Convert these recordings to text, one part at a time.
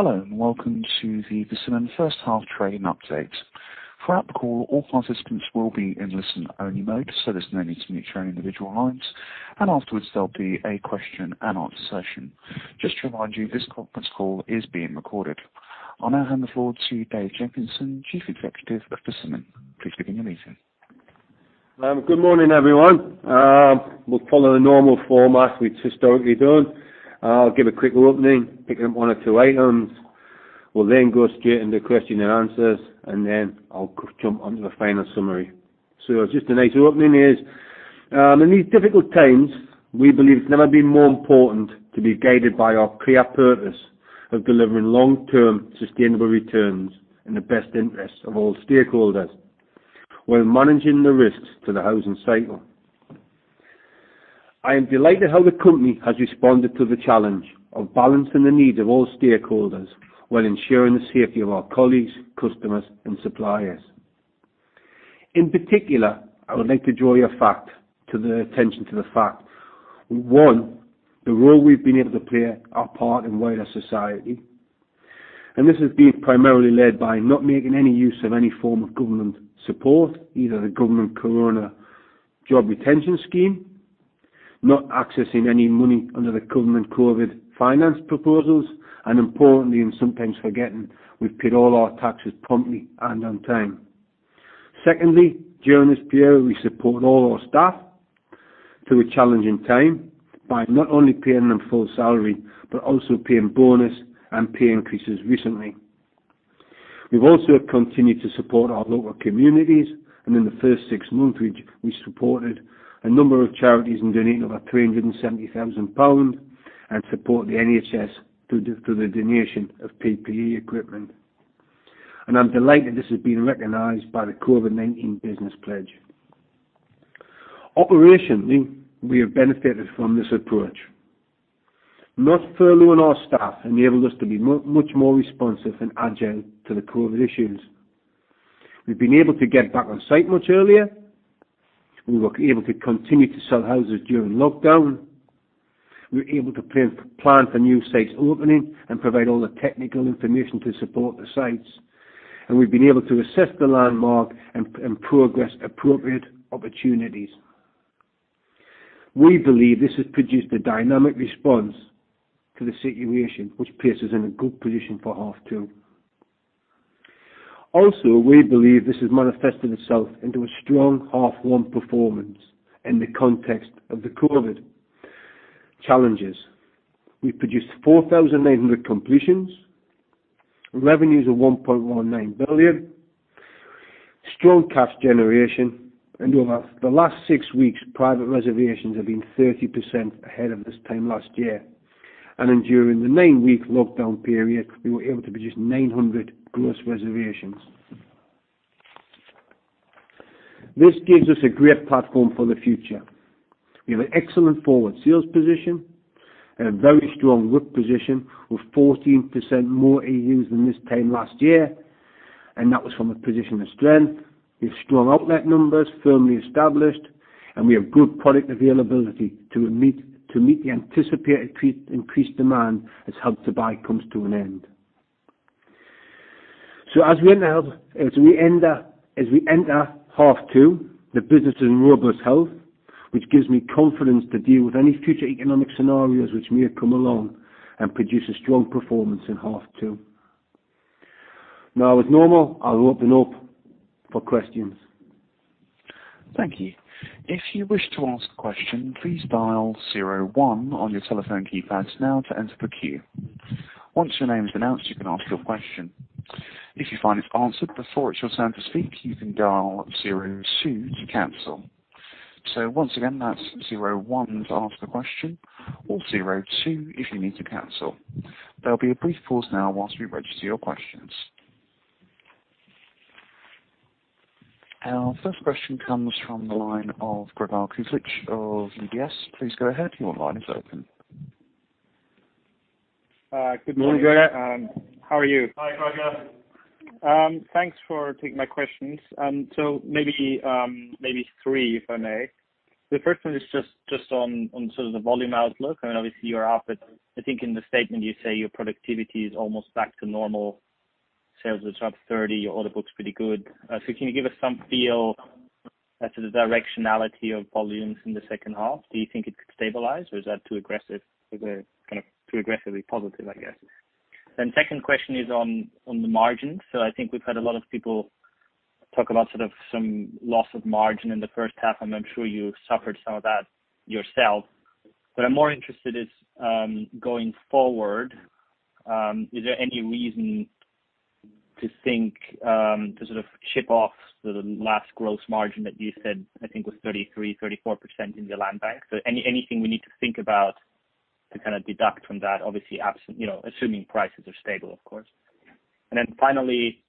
Hello, and welcome to the Persimmon first half trading update. Throughout the call, all participants will be in listen-only mode, so there's no need to mute your individual lines. Afterwards, there'll be a question and answer session. Just to remind you, this conference call is being recorded. I'll now hand the floor to Dave Jenkinson, Chief Executive of Persimmon. Please begin your meeting. Good morning, everyone. We'll follow the normal format we've historically done. I'll give a quick opening, pick up one or two items, we'll then go straight into question and answers, and then I'll jump onto the final summary. Just a nice opening is, in these difficult times, we believe it's never been more important to be guided by our clear purpose of delivering long-term sustainable returns in the best interest of all stakeholders while managing the risks to the housing cycle. I am delighted how the company has responded to the challenge of balancing the needs of all stakeholders while ensuring the safety of our colleagues, customers, and suppliers. In particular, I would like to draw your attention to the fact, one, the role we've been able to play our part in wider society. This has been primarily led by not making any use of any form of government support, either the government Coronavirus Job Retention Scheme, not accessing any money under the government COVID finance proposals, and importantly, and sometimes forgetting, we've paid all our taxes promptly and on time. Secondly, during this period, we support all our staff through a challenging time by not only paying them full salary, but also paying bonus and pay increases recently. We've also continued to support our local communities, and in the first six months, we supported a number of charities and donated over 370,000 pounds and support the NHS through the donation of PPE equipment. I'm delighted this has been recognized by the C19 Business Pledge. Operationally, we have benefited from this approach. Not furloughing our staff enabled us to be much more responsive and agile to the COVID issues. We've been able to get back on site much earlier. We were able to continue to sell houses during lockdown. We were able to plan for new sites opening and provide all the technical information to support the sites. We've been able to assess the land bank and progress appropriate opportunities. We believe this has produced a dynamic response to the situation which places in a good position for half two. We believe this has manifested itself into a strong half one performance in the context of the COVID challenges. We produced 4,900 completions, revenues of 1.19 billion, strong cash generation, and over the last six weeks, private reservations have been 30% ahead of this time last year. During the nine-week lockdown period, we were able to produce 900 gross reservations. This gives us a great platform for the future. We have an excellent forward sales position and a very strong book position with 14% more EUs than this time last year. That was from a position of strength. We have strong outlet numbers firmly established. We have good product availability to meet the anticipated increased demand as Help to Buy comes to an end. As we enter half two, the business is in robust health, which gives me confidence to deal with any future economic scenarios which may come along and produce a strong performance in half two. As normal, I'll open up for questions. Thank you. If you wish to ask a question, please dial zero one on your telephone keypads now to enter the queue. Once your name is announced, you can ask your question. If you find it answered before it's your turn to speak, you can dial zero two to cancel. So once again, that's zero one to ask the question or zero two if you need to cancel. There will be a brief pause now while we register your questions. Our first question comes from the line of Gregor Kuglitsch of UBS. Please go ahead. Your line is open. Good morning, Gregor. How are you? Hi, Gregor. Thanks for taking my questions. Maybe three, if I may. The first one is just on sort of the volume outlook. Obviously, you're up, I think in the statement you say your productivity is almost back to normal. Sales are up 30, your order book's pretty good. Can you give us some feel as to the directionality of volumes in the second half? Do you think it could stabilize, or is that too aggressive, kind of too aggressively positive, I guess? Second question is on the margin. I think we've had a lot of people talk about sort of some loss of margin in the first half. I'm sure you suffered some of that yourself, but I'm more interested is, going forward, is there any reason to think to sort of chip off the last gross margin that you said I think was 33%-34% in your land bank? Anything we need to think about to kind of deduct from that, obviously, assuming prices are stable, of course. Finally,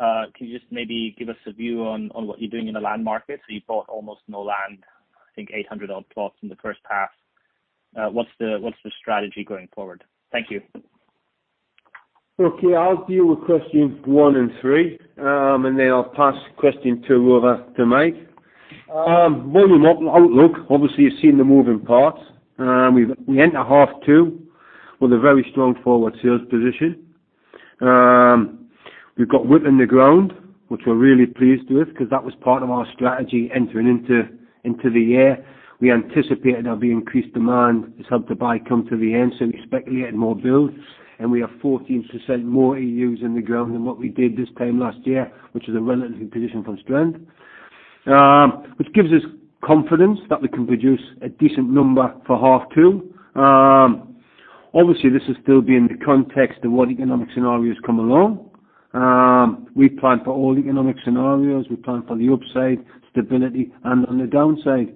can you just maybe give us a view on what you're doing in the land market? You bought almost no land, I think 800-odd plots in the first half. What's the strategy going forward? Thank you. Okay. I'll deal with questions one and three, and then I'll pass question two over to Mike. Volume outlook, obviously you've seen the moving parts. We enter half two with a very strong forward sales position. We've got WIP in the ground, which we're really pleased with because that was part of our strategy entering into the year. We anticipated there'd be increased demand as Help to Buy come to the end. We speculated more build. We have 14% more EUs in the ground than what we did this time last year, which is a relative position of strength, which gives us confidence that we can produce a decent number for half two. Obviously, this will still be in the context of what economic scenarios come along. We plan for all economic scenarios. We plan for the upside, stability, and on the downside.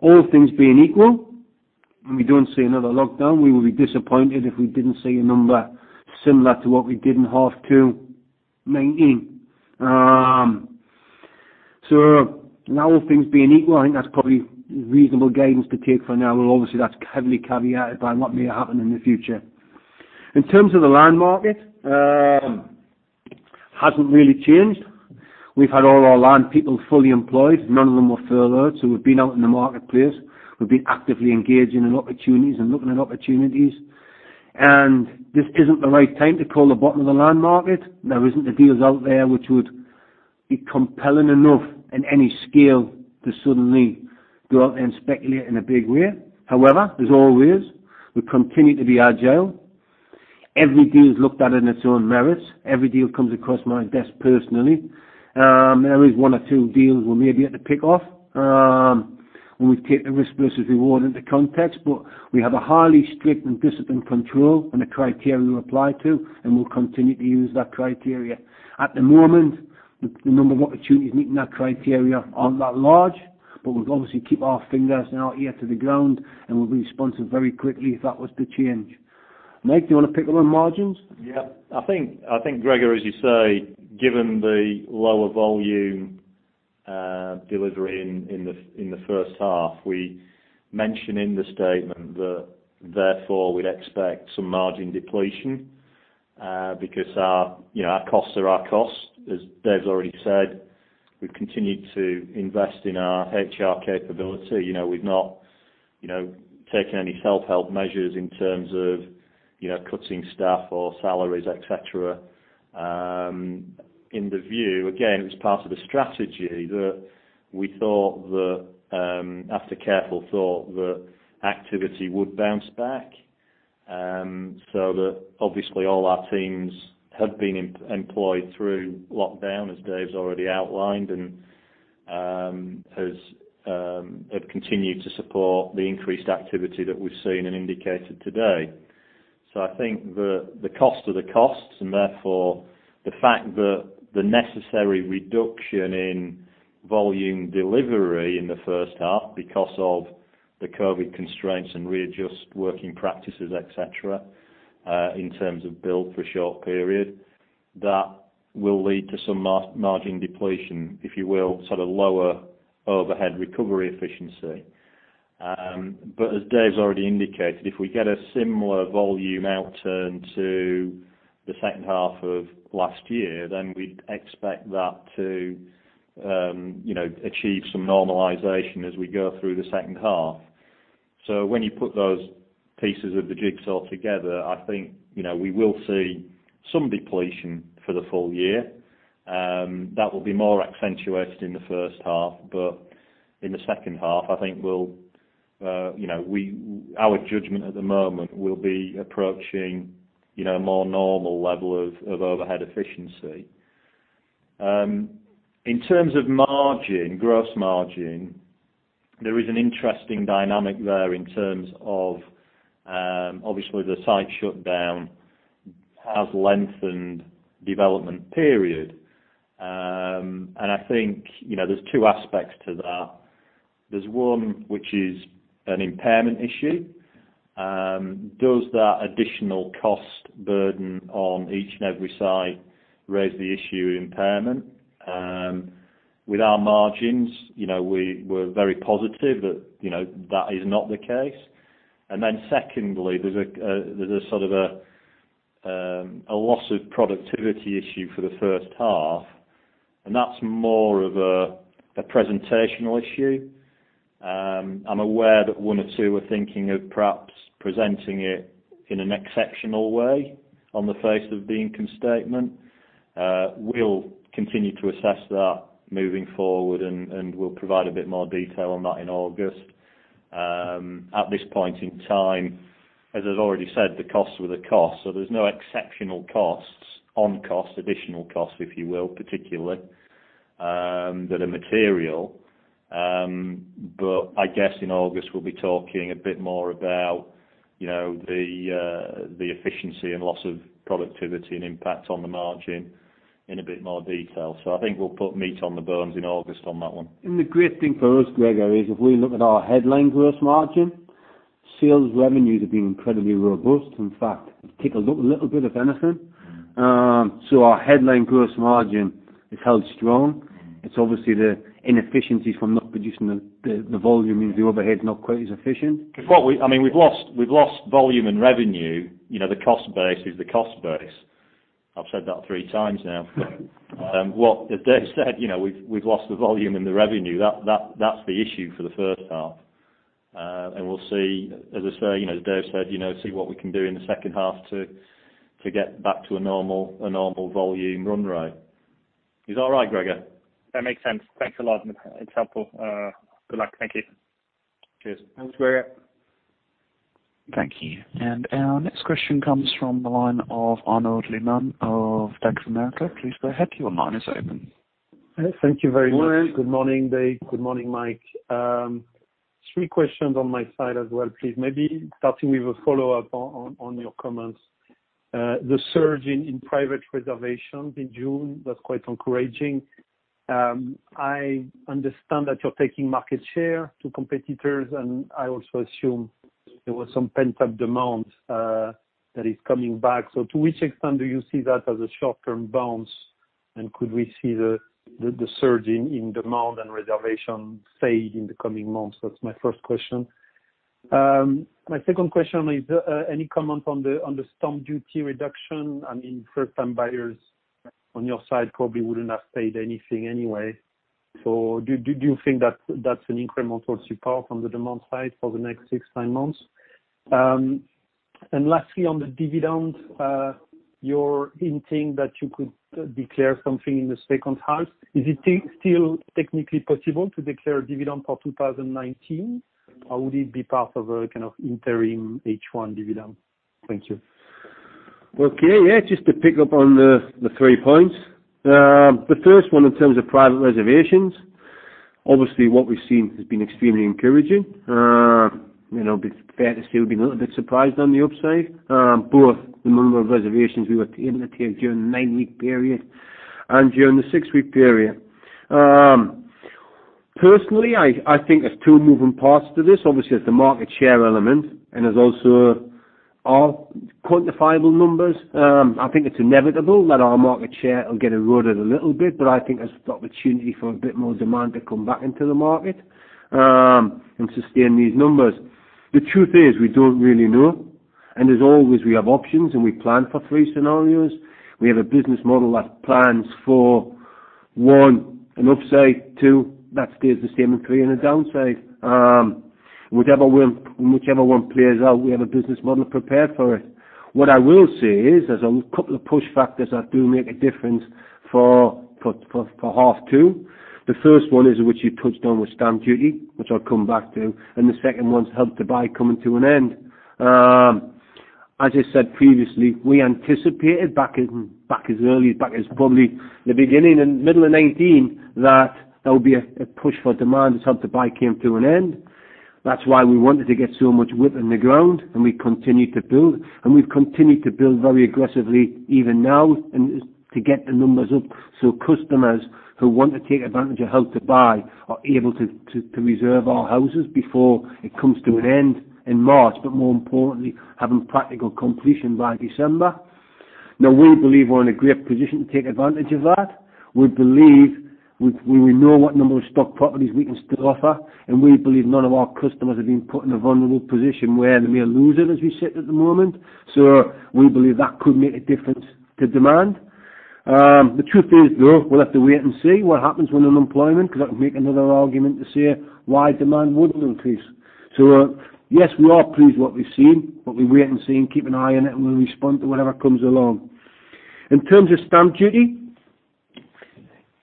All things being equal, and we don't see another lockdown, we will be disappointed if we didn't see a number similar to what we did in half two 2019. Now all things being equal, I think that's probably reasonable guidance to take for now, although obviously that's heavily caveated by what may happen in the future. In terms of the land market, hasn't really changed. We've had all our land people fully employed. None of them were furloughed, so we've been out in the marketplace. We've been actively engaging in opportunities and looking at opportunities. This isn't the right time to call the bottom of the land market. There isn't the deals out there which would be compelling enough in any scale to suddenly go out and speculate in a big way. However, as always, we continue to be agile. Every deal is looked at in its own merits. Every deal comes across my desk personally. There is one or two deals we may be able to pick off, when we take the risk versus reward into context, but we have a highly strict and disciplined control on the criteria we apply to, and we'll continue to use that criteria. At the moment, the number of opportunities meeting that criteria aren't that large, but we'll obviously keep our fingers and our ear to the ground, and we'll respond to very quickly if that was to change. Mike, do you want to pick up on margins? I think, Gregor, as you say, given the lower volume delivery in the first half, we mention in the statement that therefore we'd expect some margin depletion because our costs are our costs. As Dave has already said, we've continued to invest in our HR capability. We've not taken any self-help measures in terms of cutting staff or salaries, et cetera. In the view, again, it was part of the strategy that we thought that, after careful thought, that activity would bounce back. That obviously all our teams have been employed through lockdown, as Dave's already outlined, and have continued to support the increased activity that we've seen and indicated today. I think that the cost are the costs, and therefore the fact that the necessary reduction in volume delivery in the first half because of the COVID constraints and readjust working practices, et cetera, in terms of build for a short period, that will lead to some margin depletion, if you will, sort of lower overhead recovery efficiency. As Dave's already indicated, if we get a similar volume outturn to the second half of last year, then we'd expect that to achieve some normalization as we go through the second half. When you put those pieces of the jigsaw together, I think, we will see some depletion for the full year. That will be more accentuated in the first half, but in the second half, I think our judgment at the moment will be approaching a more normal level of overhead efficiency. In terms of margin, gross margin, there is an interesting dynamic there in terms of obviously the site shutdown has lengthened development period. I think there's two aspects to that. There's one which is an impairment issue. Does that additional cost burden on each and every site raise the issue of impairment? With our margins, we were very positive that that is not the case. Then secondly, there's a sort of a loss of productivity issue for the first half, and that's more of a presentational issue. I'm aware that one or two are thinking of perhaps presenting it in an exceptional way on the face of the income statement. We'll continue to assess that moving forward, and we'll provide a bit more detail on that in August. At this point in time, as I've already said, the costs were the costs. There's no exceptional costs on costs, additional costs, if you will, particularly, that are material. I guess in August, we'll be talking a bit more about the efficiency and loss of productivity and impact on the margin in a bit more detail. I think we'll put meat on the bones in August on that one. The great thing for us, Gregor, is if we look at our headline gross margin, sales revenues have been incredibly robust. In fact, take a look, a little bit, if anything. Our headline gross margin has held strong. It's obviously the inefficiencies from not producing the volume means the overhead's not quite as efficient. We've lost volume and revenue, the cost base is the cost base. I've said that three times now. What Dave said, we've lost the volume and the revenue. That's the issue for the first half. We'll see, as Dave said, see what we can do in the second half to get back to a normal volume run rate. Is that all right, Gregor? That makes sense. Thanks a lot. It's helpful. Good luck. Thank you. Cheers. Thanks, Gregor. Thank you. Our next question comes from the line of Arnaud Lehmann of Bank of America. Please go ahead. Your line is open. Thank you very much. Good morning, Dave. Good morning, Mike. Three questions on my side as well, please. Maybe starting with a follow-up on your comments. The surge in private reservations in June, that's quite encouraging. I understand that you're taking market share to competitors, and I also assume there was some pent-up demand that is coming back. To which extent do you see that as a short-term bounce? Could we see the surge in demand and reservation stay in the coming months? That's my first question. My second question is, any comment on the stamp duty reduction? I mean, first-time buyers on your side probably wouldn't have paid anything anyway. Do you think that's an incremental support from the demand side for the next six, nine months? Lastly, on the dividend, you're hinting that you could declare something in the second half. Is it still technically possible to declare a dividend for 2019? Would it be part of a kind of interim H1 dividend? Thank you. Okay. Yeah, just to pick up on the three points. The first one in terms of private reservations, what we've seen has been extremely encouraging. To be fair, still we've been a little bit surprised on the upside, both the number of reservations we were able to take during the nine-week period and during the six-week period. Personally, I think there's two moving parts to this. There's the market share element, there's also our quantifiable numbers. I think it's inevitable that our market share will get eroded a little bit, I think there's opportunity for a bit more demand to come back into the market and sustain these numbers. The truth is, we don't really know. As always, we have options, we plan for three scenarios. We have a business model that plans for one, an upside, two, that stays the same, and three, in a downside. Whichever one plays out, we have a business model prepared for it. What I will say is there's a couple of push factors that do make a difference for half two. The first one is which you touched on with stamp duty, which I'll come back to, and the second one's Help to Buy coming to an end. As I said previously, we anticipated back as early as probably the beginning and middle of 2019 that there would be a push for demand as Help to Buy came to an end. That's why we wanted to get so much WIP in the ground, and we continued to build, and we've continued to build very aggressively even now, and to get the numbers up so customers who want to take advantage of Help to Buy are able to reserve our houses before it comes to an end in March, but more importantly, having practical completion by December. We believe we're in a great position to take advantage of that. We know what number of stock properties we can still offer, and we believe none of our customers have been put in a vulnerable position where they may lose it as we sit at the moment. We believe that could make a difference to demand. The truth is, though, we'll have to wait and see what happens with unemployment because that would make another argument to say why demand wouldn't increase. Yes, we are pleased with what we've seen, but we wait and see and keep an eye on it, and we'll respond to whatever comes along. In terms of stamp duty,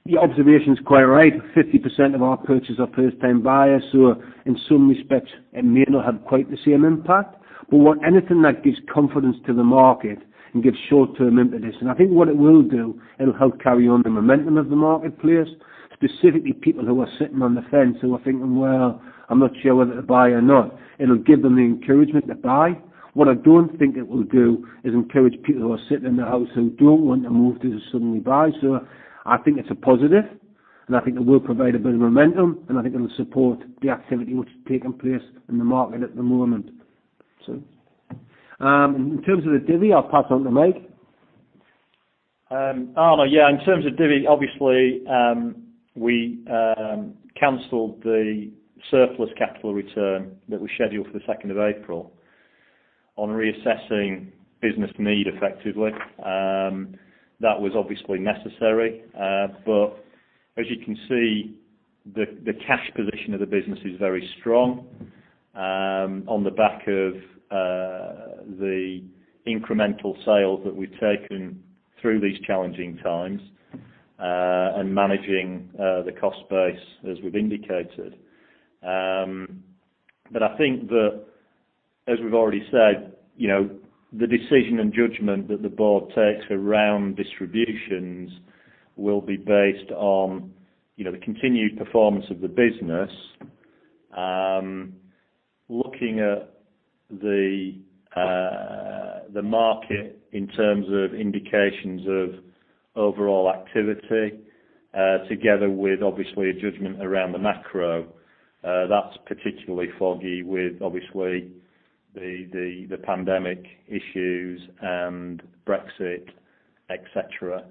your observation is quite right. 50% of our purchases are first-time buyers, so in some respects, it may not have quite the same impact, but anything that gives confidence to the market and gives short-term impetus. I think what it will do, it'll help carry on the momentum of the marketplace, specifically people who are sitting on the fence who are thinking, "Well, I'm not sure whether to buy or not." It'll give them the encouragement to buy. What I don't think it will do is encourage people who are sitting in their house who don't want to move to suddenly buy. I think it's a positive, and I think it will provide a bit of momentum, and I think it will support the activity which is taking place in the market at the moment. In terms of the divvy, I'll pass on to Mike. Arnaud, yeah, in terms of divvy, obviously, we canceled the surplus capital return that was scheduled for the 2nd of April on reassessing business need, effectively. That was obviously necessary. As you can see, the cash position of the business is very strong on the back of the incremental sales that we've taken through these challenging times and managing the cost base as we've indicated. I think that, as we've already said, the decision and judgment that the board takes around distributions will be based on the continued performance of the business, looking at the market in terms of indications of overall activity, together with obviously a judgment around the macro. That's particularly foggy with obviously the pandemic issues and Brexit, et cetera.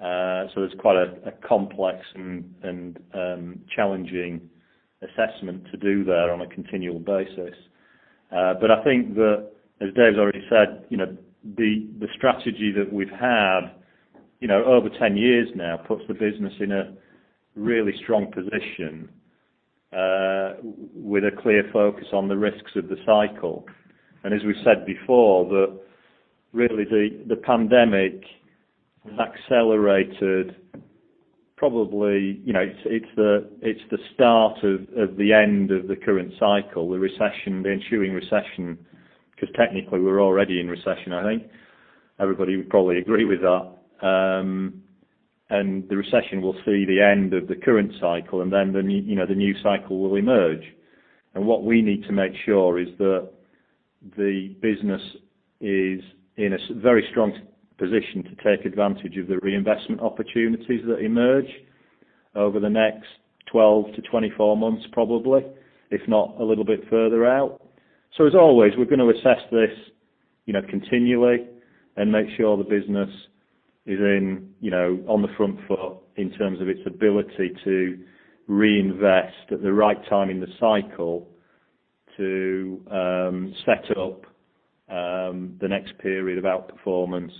There's quite a complex and challenging assessment to do there on a continual basis. But I think that, as Dave's already said, the strategy that we've had over 10 years now puts the business in a really strong position with a clear focus on the risks of the cycle. As we said before, that really the pandemic has accelerated probably, it's the start of the end of the current cycle, the ensuing recession, because technically we're already in recession, I think. Everybody would probably agree with that. The recession will see the end of the current cycle, and then the new cycle will emerge. What we need to make sure is that the business is in a very strong position to take advantage of the reinvestment opportunities that emerge over the next 12 to 24 months, probably, if not a little bit further out. As always, we're going to assess this continually and make sure the business is on the front foot in terms of its ability to reinvest at the right time in the cycle to set up the next period of outperformance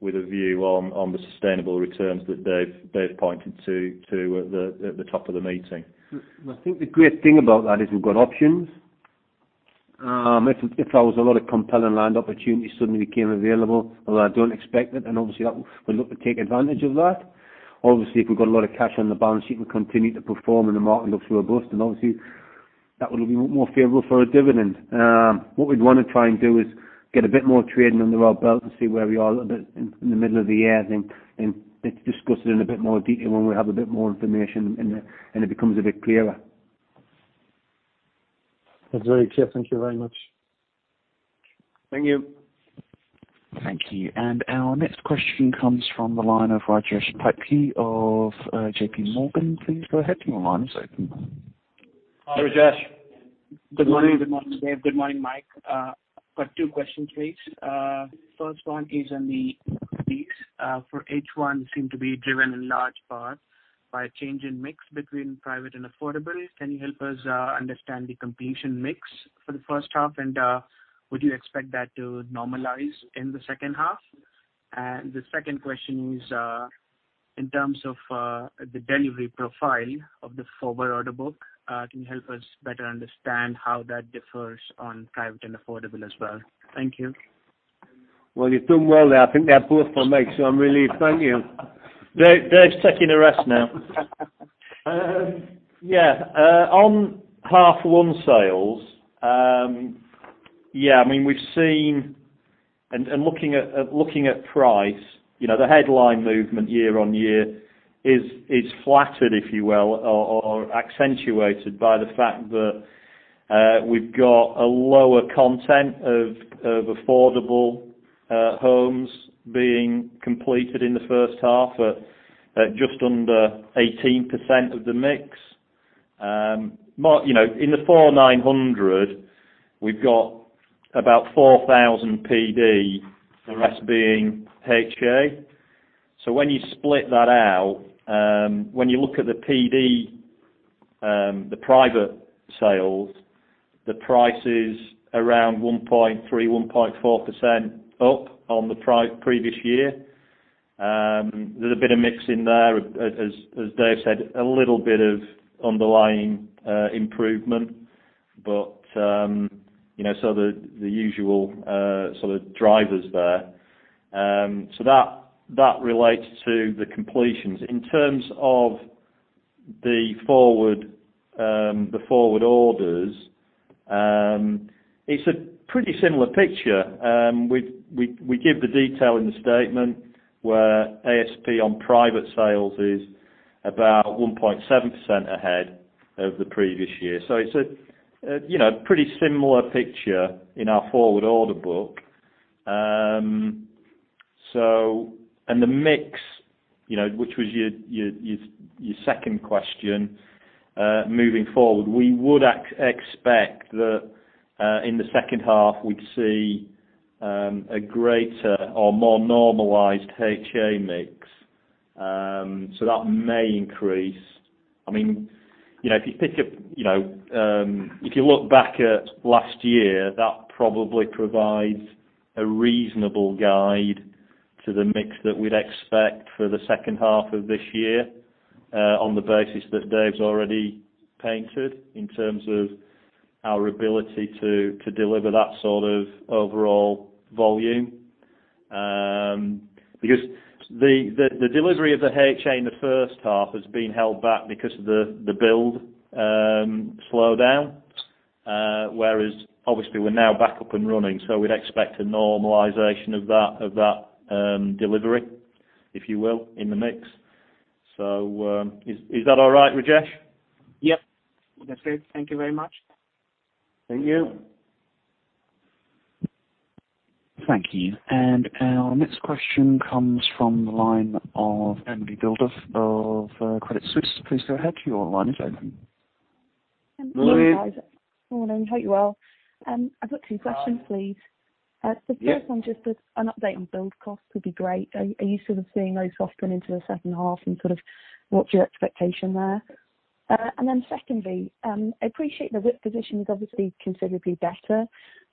with a view on the sustainable returns that Dave pointed to at the top of the meeting. I think the great thing about that is we've got options. If there was a lot of compelling land opportunities suddenly became available, although I don't expect it, then obviously we'll look to take advantage of that. Obviously, if we've got a lot of cash on the balance sheet and continue to perform and the market looks robust, then obviously that would be more favorable for a dividend. What we'd want to try and do is get a bit more trading under our belt and see where we are in the middle of the year, then it's discussed in a bit more detail when we have a bit more information and it becomes a bit clearer. That's very clear. Thank you very much. Thank you. Thank you. Our next question comes from the line of Rajesh Patki of JP Morgan. Please go ahead, your line is open. Hi, Rajesh. Good morning. Good morning, Dave. Good morning, Mike. I've got two questions, please. First one is on the lease for H1 seem to be driven in large part by a change in mix between private and affordable. Can you help us understand the completion mix for the first half, and would you expect that to normalize in the second half? The second question is, in terms of the delivery profile of the forward order book, can you help us better understand how that differs on private and affordable as well? Thank you. Well, you've done well there. I think they are both for me, so I'm relieved. Thank you. Dave's taking a rest now. On half 1 sales, we've seen and looking at price, the headline movement year-over-year is flattered, if you will, or accentuated by the fact that we've got a lower content of affordable homes being completed in the first half at just under 18% of the mix. In the 4,900, we've got about 4,000 PD, the rest being HA. When you split that out, when you look at the PD, the private sales, the price is around 1.3%, 1.4% up on the previous year. There's a bit of mix in there, as Dave said, a little bit of underlying improvement, the usual sort of drivers there. That relates to the completions. In terms of the forward orders, it's a pretty similar picture. We give the detail in the statement where ASP on private sales is about 1.7% ahead of the previous year. It's a pretty similar picture in our forward order book. The mix, which was your second question, moving forward, we would expect that in the second half, we'd see a greater or more normalized HA mix. That may increase. If you look back at last year, that probably provides a reasonable guide to the mix that we'd expect for the second half of this year, on the basis that Dave's already painted in terms of our ability to deliver that sort of overall volume. The delivery of the HA in the first half has been held back because of the build slowdown, whereas obviously we're now back up and running, so we'd expect a normalization of that delivery, if you will, in the mix. Is that all right, Rajesh? Yep. That's it. Thank you very much. Thank you. Thank you. Our next question comes from the line of Emily Bédoyère of Credit Suisse. Please go ahead. Your line is open. Emily. Morning, guys. Morning. Hope you're well. I've got two questions, please. The first one, just an update on build cost would be great. Are you sort of seeing those soften into the second half and sort of what's your expectation there? Secondly, I appreciate the WIP position is obviously considerably better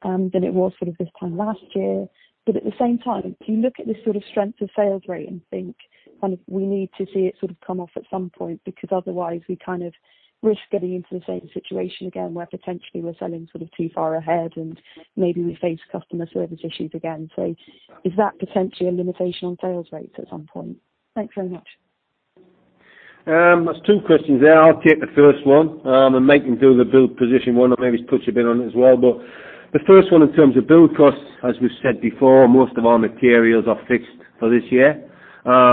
than it was sort of this time last year. At the same time, if you look at the sort of strength of sales rate and think kind of we need to see it sort of come off at some point, because otherwise we kind of risk getting into the same situation again, where potentially we're selling sort of too far ahead and maybe we face customer service issues again. Is that potentially a limitation on sales rates at some point? Thanks very much. That's two questions there. I'll take the first one, and Mike can do the build position one, or maybe just put your bit on it as well. The first one in terms of build costs, as we've said before, most of our materials are fixed for this year.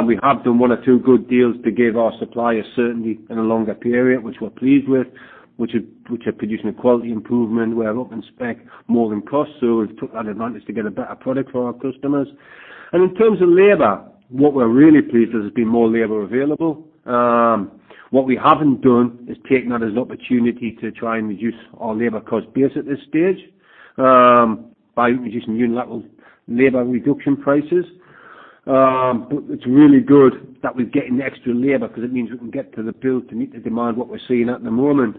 We have done one or two good deals to give our suppliers certainty in a longer period, which we're pleased with, which are producing a quality improvement where up in spec more than cost. We've took that advantage to get a better product for our customers. In terms of labor, what we're really pleased is there's been more labor available. What we haven't done is taken that as opportunity to try and reduce our labor cost base at this stage, by introducing unilateral labor reduction prices. It's really good that we're getting the extra labor because it means we can get to the build to meet the demand what we're seeing at the moment.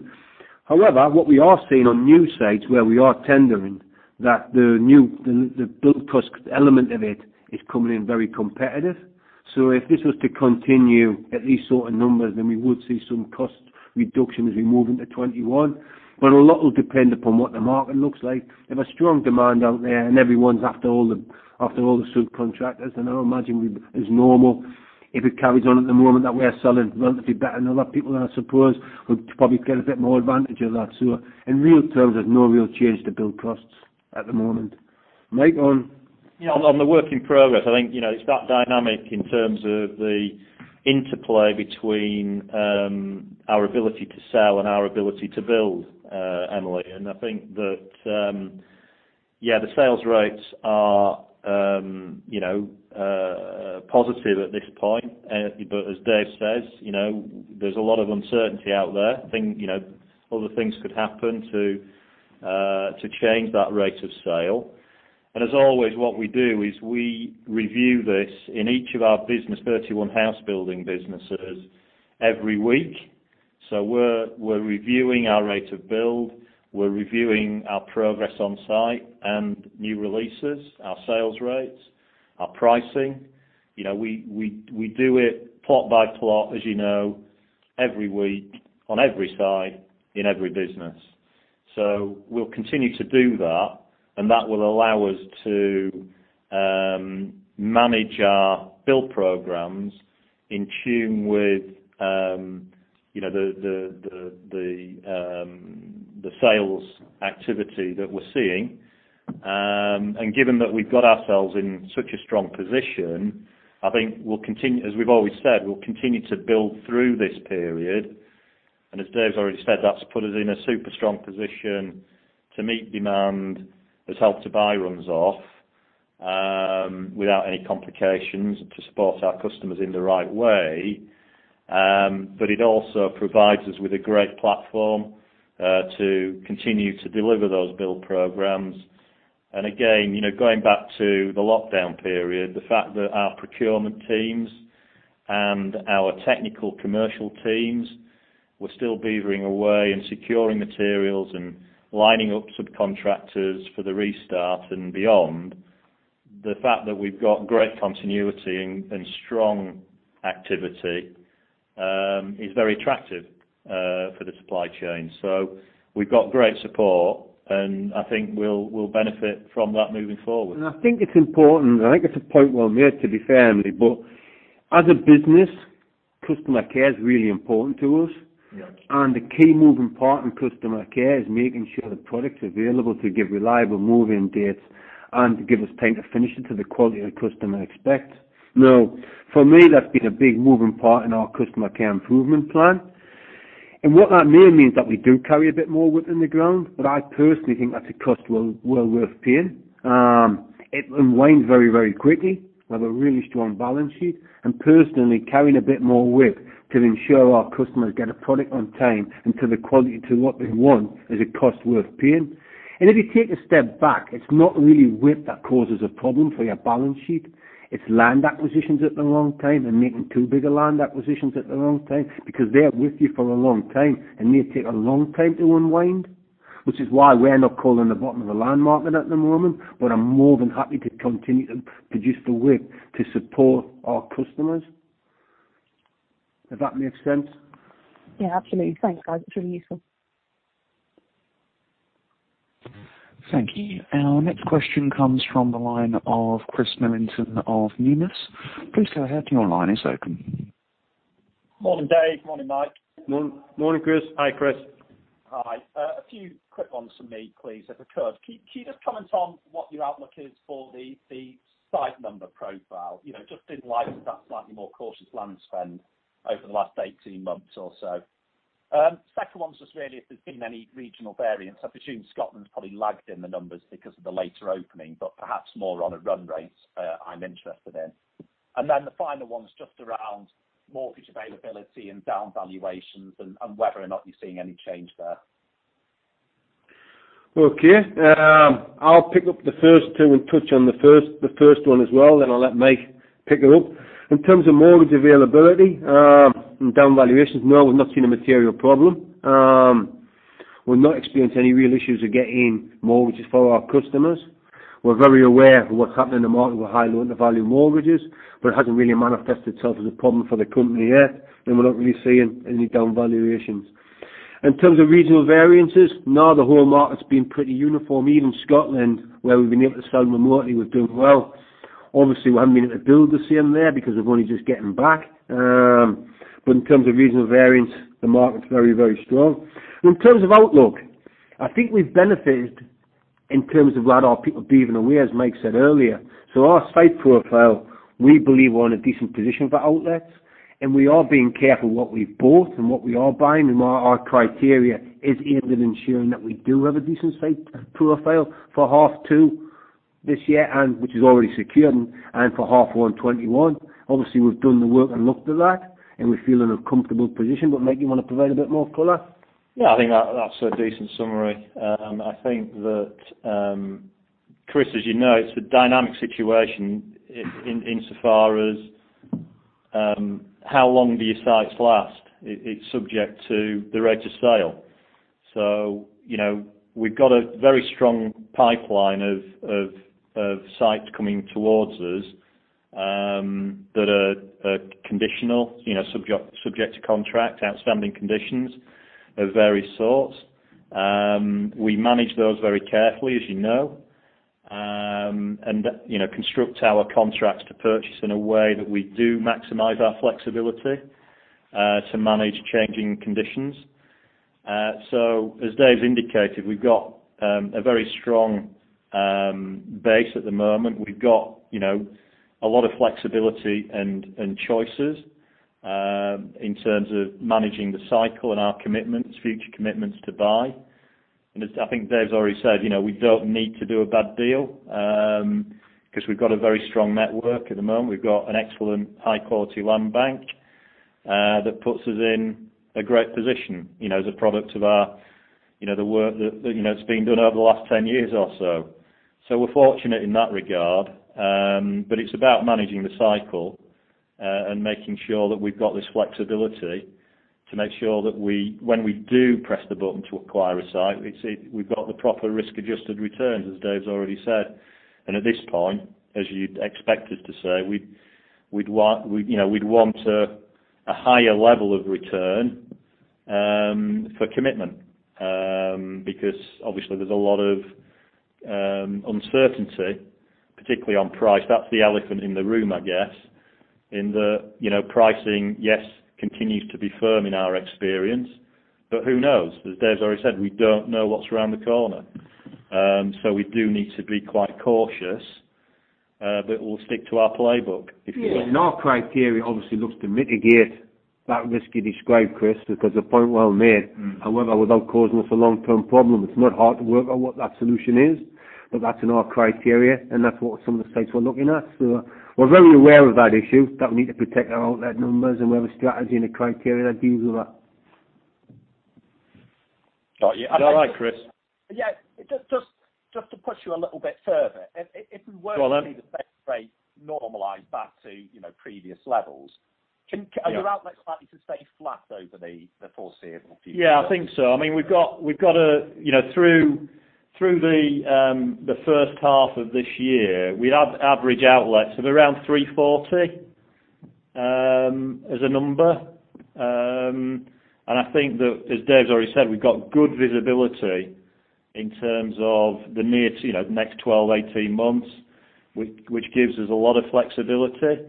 However, what we are seeing on new sites where we are tendering, that the build cost element of it is coming in very competitive. If this was to continue at these sort of numbers, then we would see some cost reduction as we move into 2021. A lot will depend upon what the market looks like. If a strong demand out there and everyone's after all the subcontractors, then I would imagine as normal, if it carries on at the moment that we are selling relatively better than other people, I suppose we'd probably get a bit more advantage of that. In real terms, there's no real change to build costs at the moment. Mike on On the work in progress, I think it's that dynamic in terms of the interplay between our ability to sell and our ability to build, Emily. I think that the sales rates are positive at this point. As Dave says, there's a lot of uncertainty out there. I think other things could happen to change that rate of sale. As always, what we do is we review this in each of our business, 31 house building businesses every week. We're reviewing our rate of build. We're reviewing our progress on site and new releases, our sales rates, our pricing. We do it plot by plot, as you know, every week on every site in every business. We'll continue to do that, and that will allow us to manage our build programs in tune with the sales activity that we're seeing. Given that we've got ourselves in such a strong position, I think as we've always said, we'll continue to build through this period. As Dave's already said, that's put us in a super strong position to meet demand as Help to Buy runs off, without any complications to support our customers in the right way. It also provides us with a great platform to continue to deliver those build programs. Again, going back to the lockdown period, the fact that our procurement teams and our technical commercial teams were still beavering away and securing materials and lining up subcontractors for the restart and beyond. The fact that we've got great continuity and strong activity, is very attractive for the supply chain. We've got great support, and I think we'll benefit from that moving forward. I think it's important, and I think it's a point well made, to be fair, Emily, but as a business, customer care is really important to us. Yeah. The key moving part in customer care is making sure the product's available to give reliable move-in dates and to give us time to finish it to the quality the customer expects. For me, that's been a big moving part in our customer care improvement plan. What that may mean is that we do carry a bit more whip in the ground, but I personally think that's a cost well worth paying. It unwinds very, very quickly. We have a really strong balance sheet. Personally, carrying a bit more whip to ensure our customers get a product on time and to the quality to what they want is a cost worth paying. If you take a step back, it's not really whip that causes a problem for your balance sheet. It's land acquisitions at the wrong time and making too big a land acquisitions at the wrong time because they're with you for a long time and they take a long time to unwind, which is why we're not calling the bottom of the land market at the moment. I'm more than happy to continue to produce the whip to support our customers. If that makes sense. Absolutely. Thanks, guys. It's really useful. Thank you. Our next question comes from the line of Chris Millington of Numis. Please go ahead. Your line is open. Morning, Dave. Morning, Mike. Morning, Chris. Hi, Chris. Hi. A few quick ones from me, please, if I could. Can you just comment on what your outlook is for the site number profile? Just in light of that slightly more cautious land spend over the last 18 months or so. Second one is just really if there's been any regional variance. I presume Scotland's probably lagged in the numbers because of the later opening, but perhaps more on a run rate, I'm interested in. The final one is just around mortgage availability and down valuations and whether or not you're seeing any change there. I'll pick up the first two and touch on the first one as well, then I'll let Mike pick it up. In terms of mortgage availability, down valuations, no, we've not seen a material problem. We've not experienced any real issues with getting mortgages for our customers. We're very aware of what's happening in the market with high loan-to-value mortgages. It hasn't really manifested itself as a problem for the company yet, and we're not really seeing any down valuations. In terms of regional variances, no, the whole market's been pretty uniform. Even Scotland, where we've been able to [sell more mortgage], we're doing well. Obviously, we haven't been able to build the same there because they're only just getting back. In terms of regional variance, the market's very, very strong. In terms of outlook, I think we've benefited in terms of what our people beaver away, as Mike said earlier. Our site profile, we believe we're in a decent position for outlets, and we are being careful what we've bought and what we are buying. Our criteria is aimed at ensuring that we do have a decent site profile for half two this year, which is already secured, and for half one 2021. Obviously, we've done the work and looked at that, and we feel in a comfortable position. Mike, you want to provide a bit more color? Yeah, I think that's a decent summary. I think that, Chris, as you know, it's a dynamic situation insofar as how long do your sites last? It's subject to the rate of sale. We've got a very strong pipeline of sites coming towards us that are conditional, subject to contract, outstanding conditions of various sorts. We manage those very carefully, as you know, and construct our contracts to purchase in a way that we do maximize our flexibility to manage changing conditions. As Dave's indicated, we've got a very strong base at the moment. We've got a lot of flexibility and choices in terms of managing the cycle and our commitments, future commitments to buy. I think Dave's already said, we don't need to do a bad deal because we've got a very strong network at the moment. We've got an excellent high-quality land bank that puts us in a great position as a product of the work that's been done over the last 10 years or so. We're fortunate in that regard. It's about managing the cycle and making sure that we've got this flexibility to make sure that when we do press the button to acquire a site, we've got the proper risk-adjusted returns, as Dave's already said. At this point, as you'd expect us to say, we'd want a higher level of return for commitment because obviously there's a lot of uncertainty, particularly on price. That's the elephant in the room, I guess, in that pricing, yes, continues to be firm in our experience, but who knows? As Dave's already said, we don't know what's around the corner. We do need to be quite cautious, but we'll stick to our playbook, if you like. Yeah. Our criteria obviously looks to mitigate that risk you described, Chris, because the point well made. However, without causing us a long-term problem. It's not hard to work out what that solution is, but that's in our criteria, and that's what some of the sites we're looking at. We're very aware of that issue that we need to protect our outlet numbers, and we have a strategy and a criteria that deals with that. Is that all right, Chris? Yeah. Just to push you a little bit further. Go on then. to see the sales rate normalize back to previous levels. Yeah Are your outlets likely to stay flat over the foreseeable future? Yeah, I think so. Through the first half of this year, we had average outlets of around 340 as a number. I think that, as Dave's already said, we've got good visibility in terms of the next 12, 18 months, which gives us a lot of flexibility.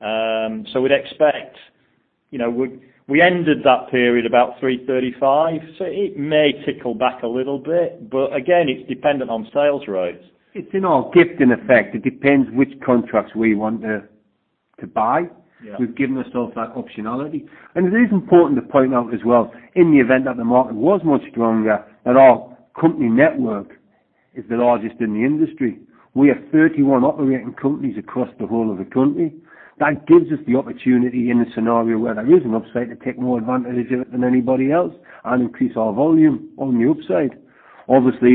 We ended that period about 335, so it may tickle back a little bit. Again, it's dependent on sales rates. It's in our gift, in effect. It depends which contracts we want to buy. Yeah. We've given ourselves that optionality. It is important to point out as well, in the event that the market was much stronger, that our company network is the largest in the industry. We have 31 operating companies across the whole of the country. That gives us the opportunity in a scenario where there is an upside to take more advantage of it than anybody else and increase our volume on the upside. Obviously,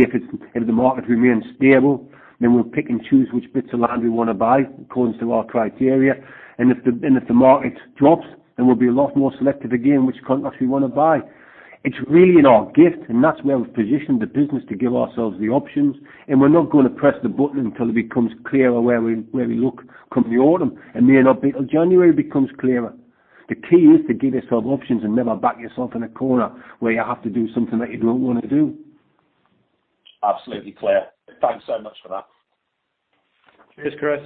if the market remains stable, then we'll pick and choose which bits of land we want to buy according to our criteria. If the market drops, then we'll be a lot more selective again which contracts we want to buy. It's really in our gift, and that's where we've positioned the business to give ourselves the options. We're not going to press the button until it becomes clearer where we look come the autumn. It may not be till January it becomes clearer. The key is to give yourself options and never back yourself in a corner where you have to do something that you don't want to do. Absolutely clear. Thanks so much for that. Cheers, Chris.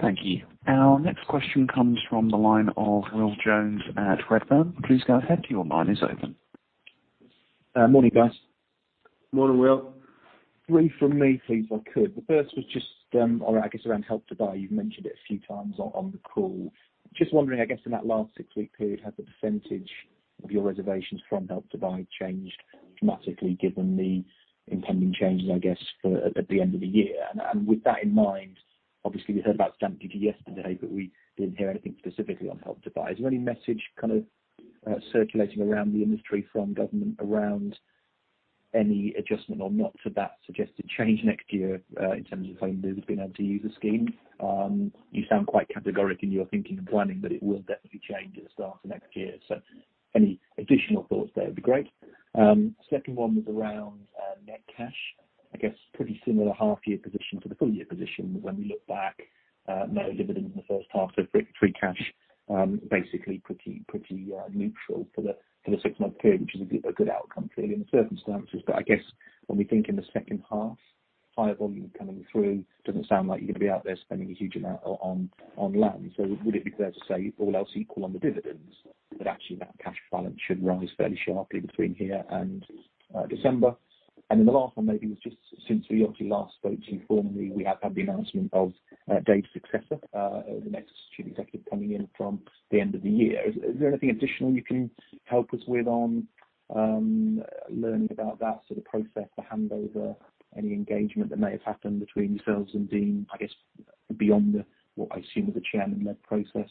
Thank you. Our next question comes from the line of Will Jones at Redburn. Please go ahead. Your line is open. Morning, guys. Morning, Will. Three from me, please, if I could. The first was just on around Help to Buy. You've mentioned it a few times on the call. In that last six-week period, has the percentage of your reservations from Help to Buy changed dramatically given the impending changes at the end of the year? With that in mind, obviously, we heard about stamp duty yesterday, but we didn't hear anything specifically on Help to Buy. Is there any message kind of circulating around the industry from government around any adjustment or not for that suggested change next year, in terms of homebuilders being able to use the scheme? You sound quite categoric in your thinking and planning that it will definitely change at the start of next year. Any additional thoughts there would be great. Second one was around net cash. I guess pretty similar half-year position to the full-year position when we look back. No dividend in the first half, so free cash, basically pretty neutral for the six-month period, which is a good outcome, clearly in the circumstances. I guess when we think in the second half, higher volume coming through, doesn't sound like you're going to be out there spending a huge amount on land. Would it be fair to say all else equal on the dividends, that actually that cash balance should rise fairly sharply between here and December? The last one maybe was just since we obviously last spoke to you formally, we have had the announcement of Dave's successor, the next Chief Executive coming in from the end of the year. Is there anything additional you can help us with on learning about that sort of process, the handover, any engagement that may have happened between yourselves and Dean, I guess, beyond what I assume is the chairman-led process?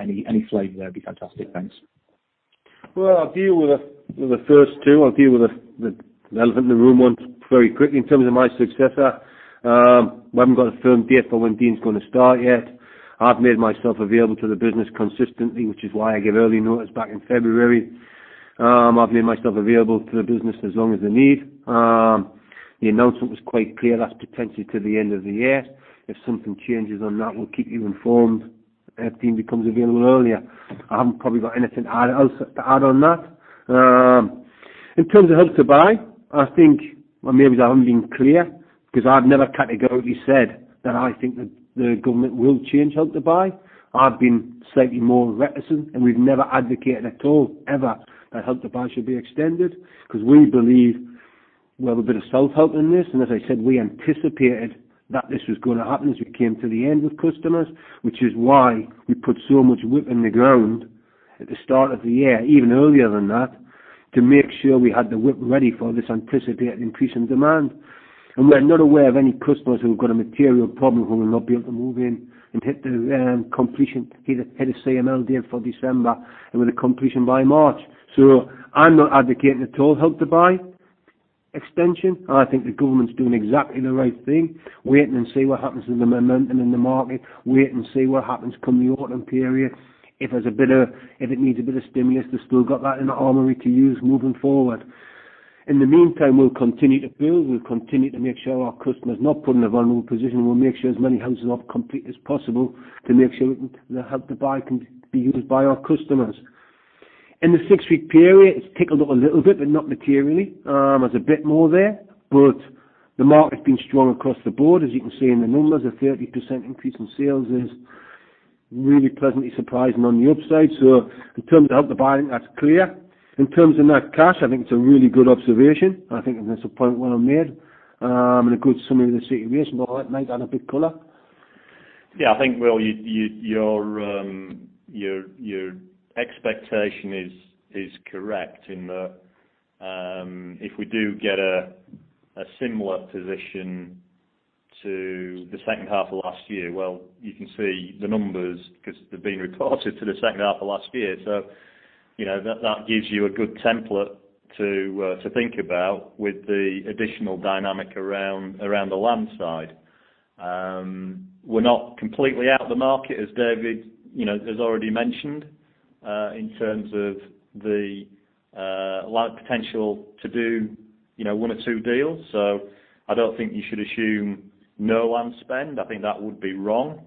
Any flavor there would be fantastic. Thanks. Well, I'll deal with the first two. I'll deal with the elephant in the room one very quickly. In terms of my successor, we haven't got a firm date for when Dean is going to start yet. I've made myself available to the business consistently, which is why I gave early notice back in February. I've made myself available to the business as long as they need. The announcement was quite clear, that's potentially to the end of the year. If something changes on that, we'll keep you informed if Dean becomes available earlier. I haven't probably got anything else to add on that. In terms of Help to Buy, I think maybe I haven't been clear because I've never categorically said that I think that the government will change Help to Buy. I've been slightly more reticent. We've never advocated at all, ever, that Help to Buy should be extended because we believe we have a bit of self-help in this. As I said, we anticipated that this was going to happen as we came to the end with customers, which is why we put so much whip in the ground at the start of the year, even earlier than that, to make sure we had the whip ready for this anticipated increase in demand. We are not aware of any customers who have got a material problem who will not be able to move in and hit the CML date for December and with a completion by March. I'm not advocating at all Help to Buy extension. I think the government is doing exactly the right thing, waiting and see what happens in the momentum in the market, wait and see what happens come the autumn period. If it needs a bit of stimulus, they still got that in the armory to use moving forward. In the meantime, we'll continue to build, we'll continue to make sure our customers are not put in a vulnerable position. We'll make sure as many houses are complete as possible to make sure that Help to Buy can be used by our customers. In the six-week period, it's tickled up a little bit, but not materially. There's a bit more there, but the market has been strong across the board, as you can see in the numbers. A 30% increase in sales is really pleasantly surprising on the upside. In terms of Help to Buy, I think that's clear. In terms of net cash, I think it's a really good observation. I think that's a point well made, and a good summary of the situation. All right, Mike, add a bit of color. Yeah, I think, Will, your expectation is correct in that if we do get a similar position to the second half of last year, well, you can see the numbers because they're being reported to the second half of last year. That gives you a good template to think about with the additional dynamic around the land side. We're not completely out of the market as Dave has already mentioned, in terms of the land potential to do one or two deals. I don't think you should assume no land spend. I think that would be wrong.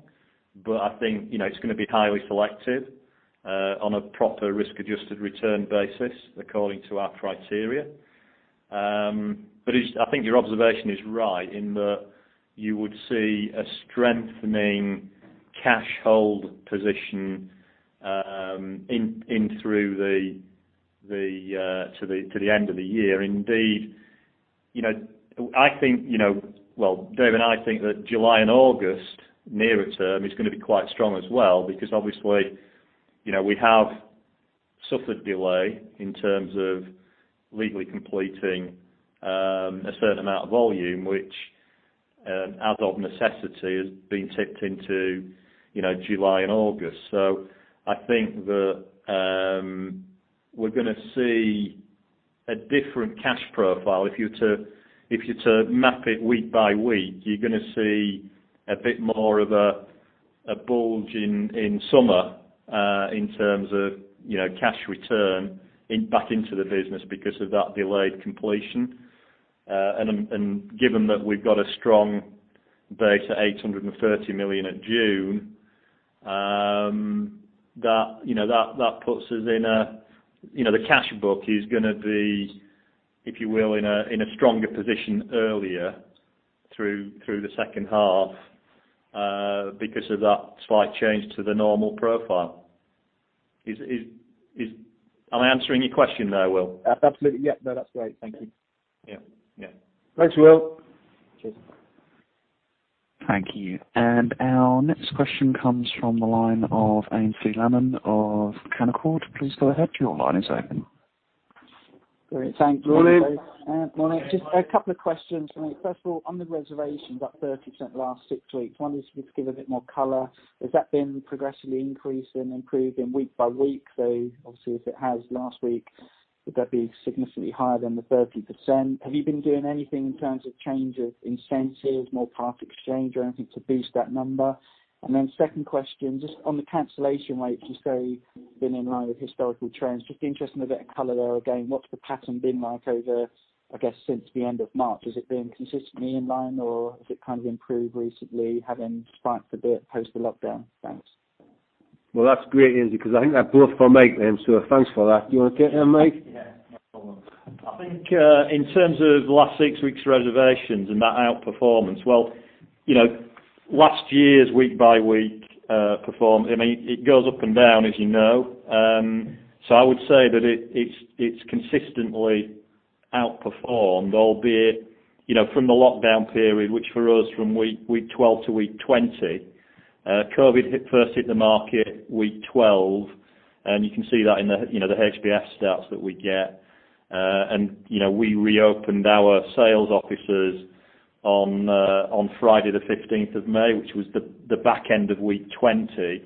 I think it's going to be highly selective on a proper risk-adjusted return basis according to our criteria. I think your observation is right in that you would see a strengthening cash hold position to the end of the year. Indeed, Dave and I think that July and August nearer term is going to be quite strong as well because obviously, we have suffered delay in terms of legally completing a certain amount of volume, which out of necessity has been tipped into July and August. I think that we're going to see a different cash profile. If you are to map it week by week, you're going to see a bit more of a bulge in summer, in terms of cash return back into the business because of that delayed completion. Given that we've got a strong base at 830 million at June, the cash book is going to be, if you will, in a stronger position earlier through the second half because of that slight change to the normal profile. Am I answering your question there, Will? Absolutely. Yeah. No, that's great. Thank you. Yeah. Thanks, Will. Cheers. Thank you. Our next question comes from the line of Aynsley Lammin of Canaccord. Please go ahead. Your line is open. Great. Thanks. Morning. Morning. Just a couple of questions. First of all, on the reservations, up 30% last six weeks. Wondering if you could give a bit more color. Has that been progressively increasing, improving week by week though? Obviously, if it has last week, would that be significantly higher than the 30%? Have you been doing anything in terms of change of incentives, more Part Exchange or anything to boost that number? Second question, just on the cancellation rates, you say been in line with historical trends. Just interested in a bit of color there again, what's the pattern been like over, I guess, since the end of March? Has it been consistently in line or has it improved recently, having spiked a bit post the lockdown? Thanks. That's great, Aynsley, because I think that blew up for Mike then, so thanks for that. Do you want to get that, Mike? Yeah. No problem. I think, in terms of the last six weeks' reservations and that outperformance, well, last year's week-by-week performance, it goes up and down, as you know. I would say that it's consistently outperformed, albeit, from the lockdown period, which for us from week 12 to week 20. COVID first hit the market week 12, and you can see that in the HBF stats that we get. We reopened our sales offices on Friday the 15th of May, which was the back end of week 20.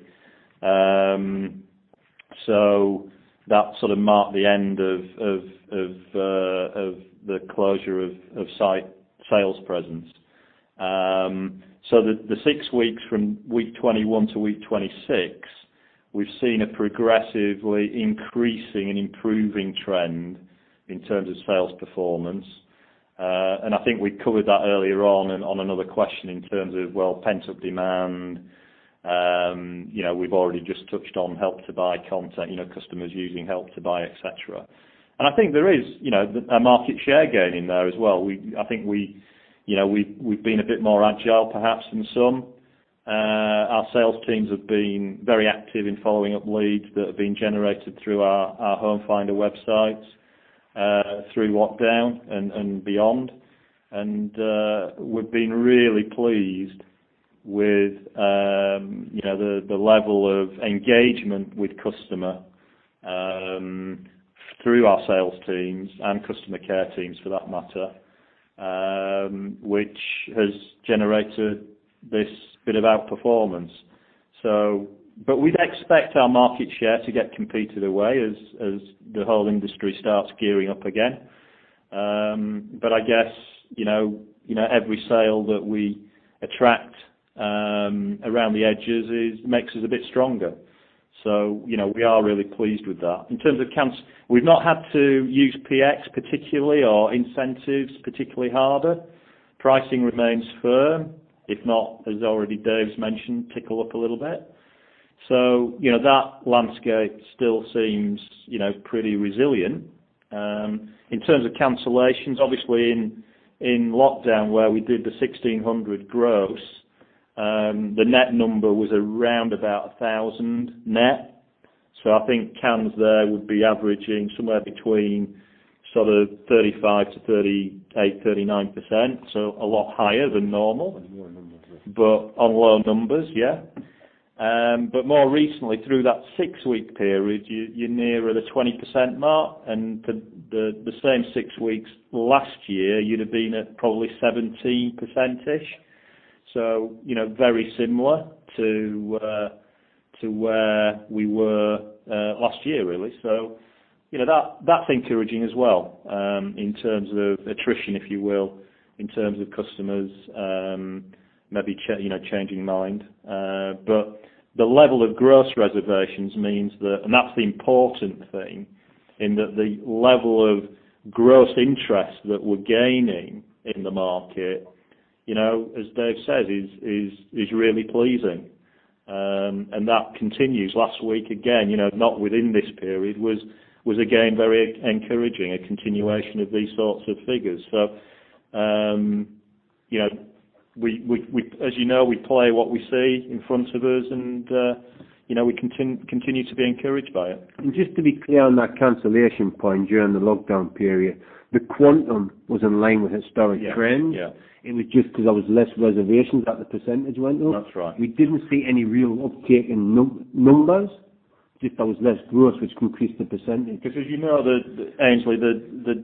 That sort of marked the end of the closure of site sales presence. The six weeks from week 21 to week 26, we've seen a progressively increasing and improving trend in terms of sales performance. I think we covered that earlier on another question in terms of, well, pent-up demand. We've already just touched on Help to Buy content, customers using Help to Buy, et cetera. I think there is a market share gain in there as well. I think we've been a bit more agile, perhaps, than some. Our sales teams have been very active in following up leads that have been generated through our HomeFinder websites, through lockdown and beyond. We've been really pleased with the level of engagement with customer through our sales teams and customer care teams, for that matter, which has generated this bit of outperformance. We'd expect our market share to get competed away as the whole industry starts gearing up again. I guess, every sale that we attract around the edges makes us a bit stronger. We are really pleased with that. In terms of counts, we've not had to use PX particularly or incentives particularly harder. Pricing remains firm, if not, as already Dave's mentioned, tickle up a little bit. That landscape still seems pretty resilient. In terms of cancellations, obviously in lockdown where we did the 1,600 gross, the net number was around about 1,000 net. I think cans there would be averaging somewhere between sort of 35% to 38%, 39%. A lot higher than normal. On lower numbers. On lower numbers, yeah. More recently, through that six-week period, you're nearer the 20% mark, and the same six weeks last year, you'd have been at probably 17%-ish. Very similar to where we were last year, really. That's encouraging as well, in terms of attrition, if you will, in terms of customers maybe changing mind. The level of gross reservations means that. That's the important thing, in that the level of gross interest that we're gaining in the market, as Dave says, is really pleasing. That continues. Last week again, not within this period, was again very encouraging, a continuation of these sorts of figures. As you know, we play what we see in front of us, and we continue to be encouraged by it. Just to be clear on that cancellation point during the lockdown period, the quantum was in line with historic trends. Yeah. It was just because there was less reservations that the percentage went up. That's right. We didn't see any real uptake in numbers, just there was less growth, which increased the percentage. Because you know that, Aynsley, the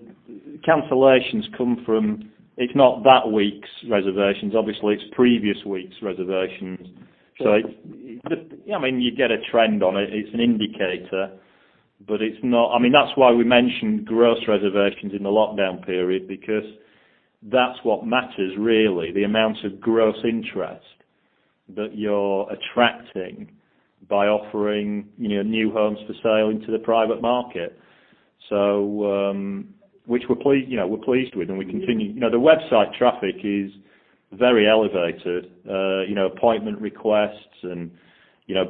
cancellations come from, it's not that week's reservations. Obviously, it's previous week's reservations. I mean, you get a trend on it. It's an indicator, but it's not. I mean, that's why we mentioned gross reservations in the lockdown period because that's what matters, really. The amount of gross interest that you're attracting by offering new homes for sale into the private market. Which we're pleased with, and we continue. The website traffic is very elevated. Appointment requests and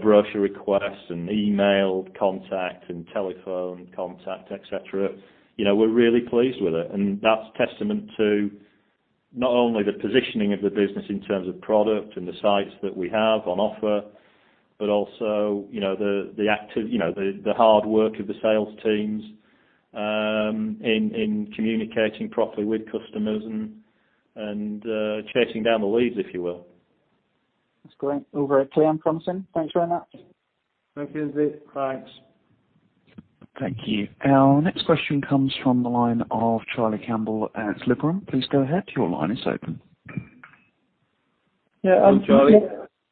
brochure requests and email contact and telephone contact, et cetera. We're really pleased with it, and that's testament to not only the positioning of the business in terms of product and the sites that we have on offer, but also the hard work of the sales teams in communicating properly with customers and chasing down the leads, if you will. That's great. [Over at TM Thompson]. Thanks very much. Thank you. Thanks. Thank you. Our next question comes from the line of Charlie Campbell at Liberum. Please go ahead. Your line is open. Yeah. Charlie.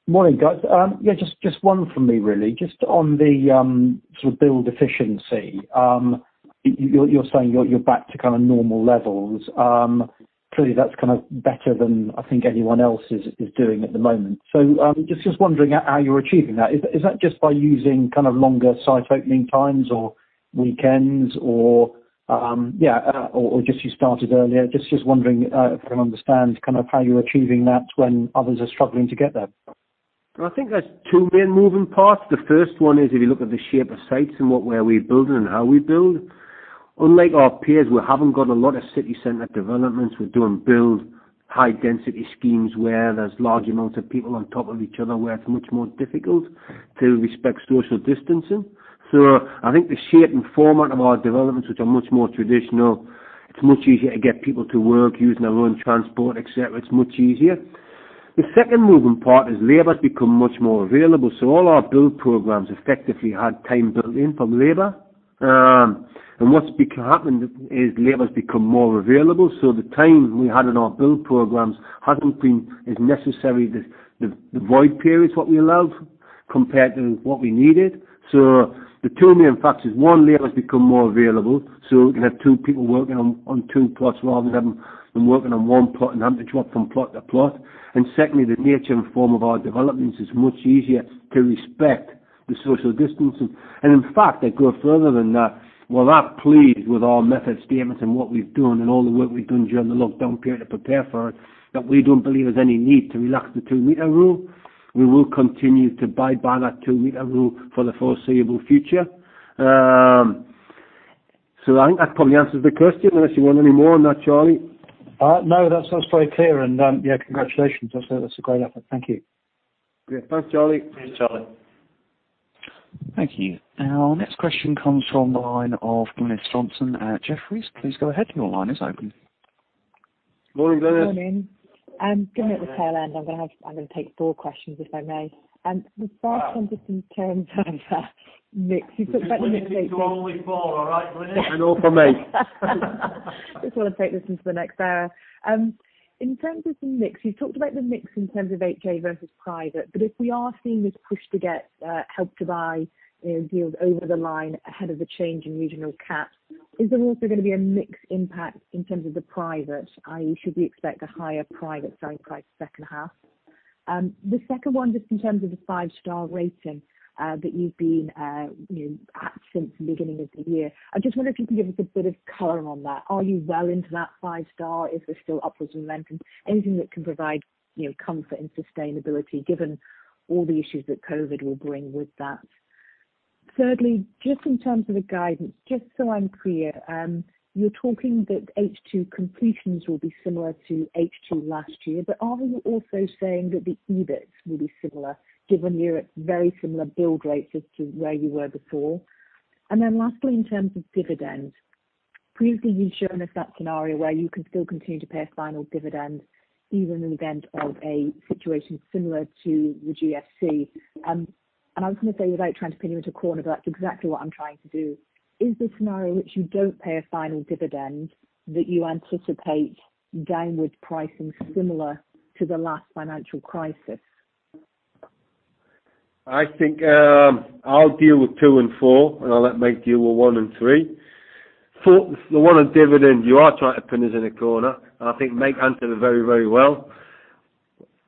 Morning, guys. Yeah, just one from me really. Just on the sort of build efficiency. You're saying you're back to kind of normal levels. Clearly, that's kind of better than, I think, anyone else is doing at the moment. Just wondering how you're achieving that. Is that just by using kind of longer site opening times or weekends or just you started earlier? Just wondering if I can understand how you're achieving that when others are struggling to get there. I think there's two main moving parts. The first one is if you look at the shape of sites and where we build and how we build. Unlike our peers, we haven't got a lot of city center developments. We don't build high density schemes where there's large amounts of people on top of each other, where it's much more difficult to respect social distancing. I think the shape and format of our developments, which are much more traditional, it's much easier to get people to work using their own transport, et cetera. It's much easier. The second moving part is labor has become much more available. All our build programs effectively had time built in from labor. What's happened is labor has become more available, so the time we had in our build programs hasn't been as necessary. The void period is what we allowed compared to what we needed. The two main factors, one, labor has become more available. We can have two people working on two plots rather than having them working on one plot and having to drop from plot to plot. Secondly, the nature and form of our developments is much easier to respect the social distancing. In fact, I go further than that. We're not pleased with our method statements and what we've done and all the work we've done during the lockdown period to prepare for it, that we don't believe there's any need to relax the two-meter rule. We will continue to abide by that two-meter rule for the foreseeable future. I think that probably answers the question, unless you want any more on that, Charlie. No, that sounds very clear. Yeah, congratulations. That's a great effort. Thank you. Great. Thanks, Charlie. Thanks, Charlie. Thank you. Our next question comes from the line of Glynis Johnson at Jefferies. Please go ahead. Your line is open. Good morning, Glynis. Morning. Given it the tail end, I'm going to take four questions, if I may. The first one, just in terms of mix. You talked about the mix- She's limited to only four. All right, Glynis? All for me. Just want to take this into the next era. In terms of the mix, you talked about the mix in terms of HA versus private, but if we are seeing this push to get Help to Buy deals over the line ahead of the change in regional caps, is there also going to be a mixed impact in terms of the private, i.e., should we expect a higher private selling price second half? The second one, just in terms of the five-star rating that you've been at since the beginning of the year, I just wonder if you can give us a bit of color on that. Are you well into that five-star? Is there still upwards momentum? Anything that can provide comfort and sustainability given all the issues that COVID will bring with that. Thirdly, just in terms of the guidance, just so I'm clear, you're talking that H2 completions will be similar to H2 last year, but are you also saying that the EBITs will be similar given you're at very similar build rates as to where you were before? Then lastly, in terms of dividend, previously you've shown us that scenario where you can still continue to pay a final dividend even in the event of a situation similar to the GFC. I was going to say, without trying to pin you into a corner, but that's exactly what I'm trying to do. Is the scenario which you don't pay a final dividend, that you anticipate downward pricing similar to the last financial crisis? I think I'll deal with two and four, and I'll let Mike deal with one and three. Four, the one on dividend, you are trying to pin us in a corner, and I think Mike answered it very, very well.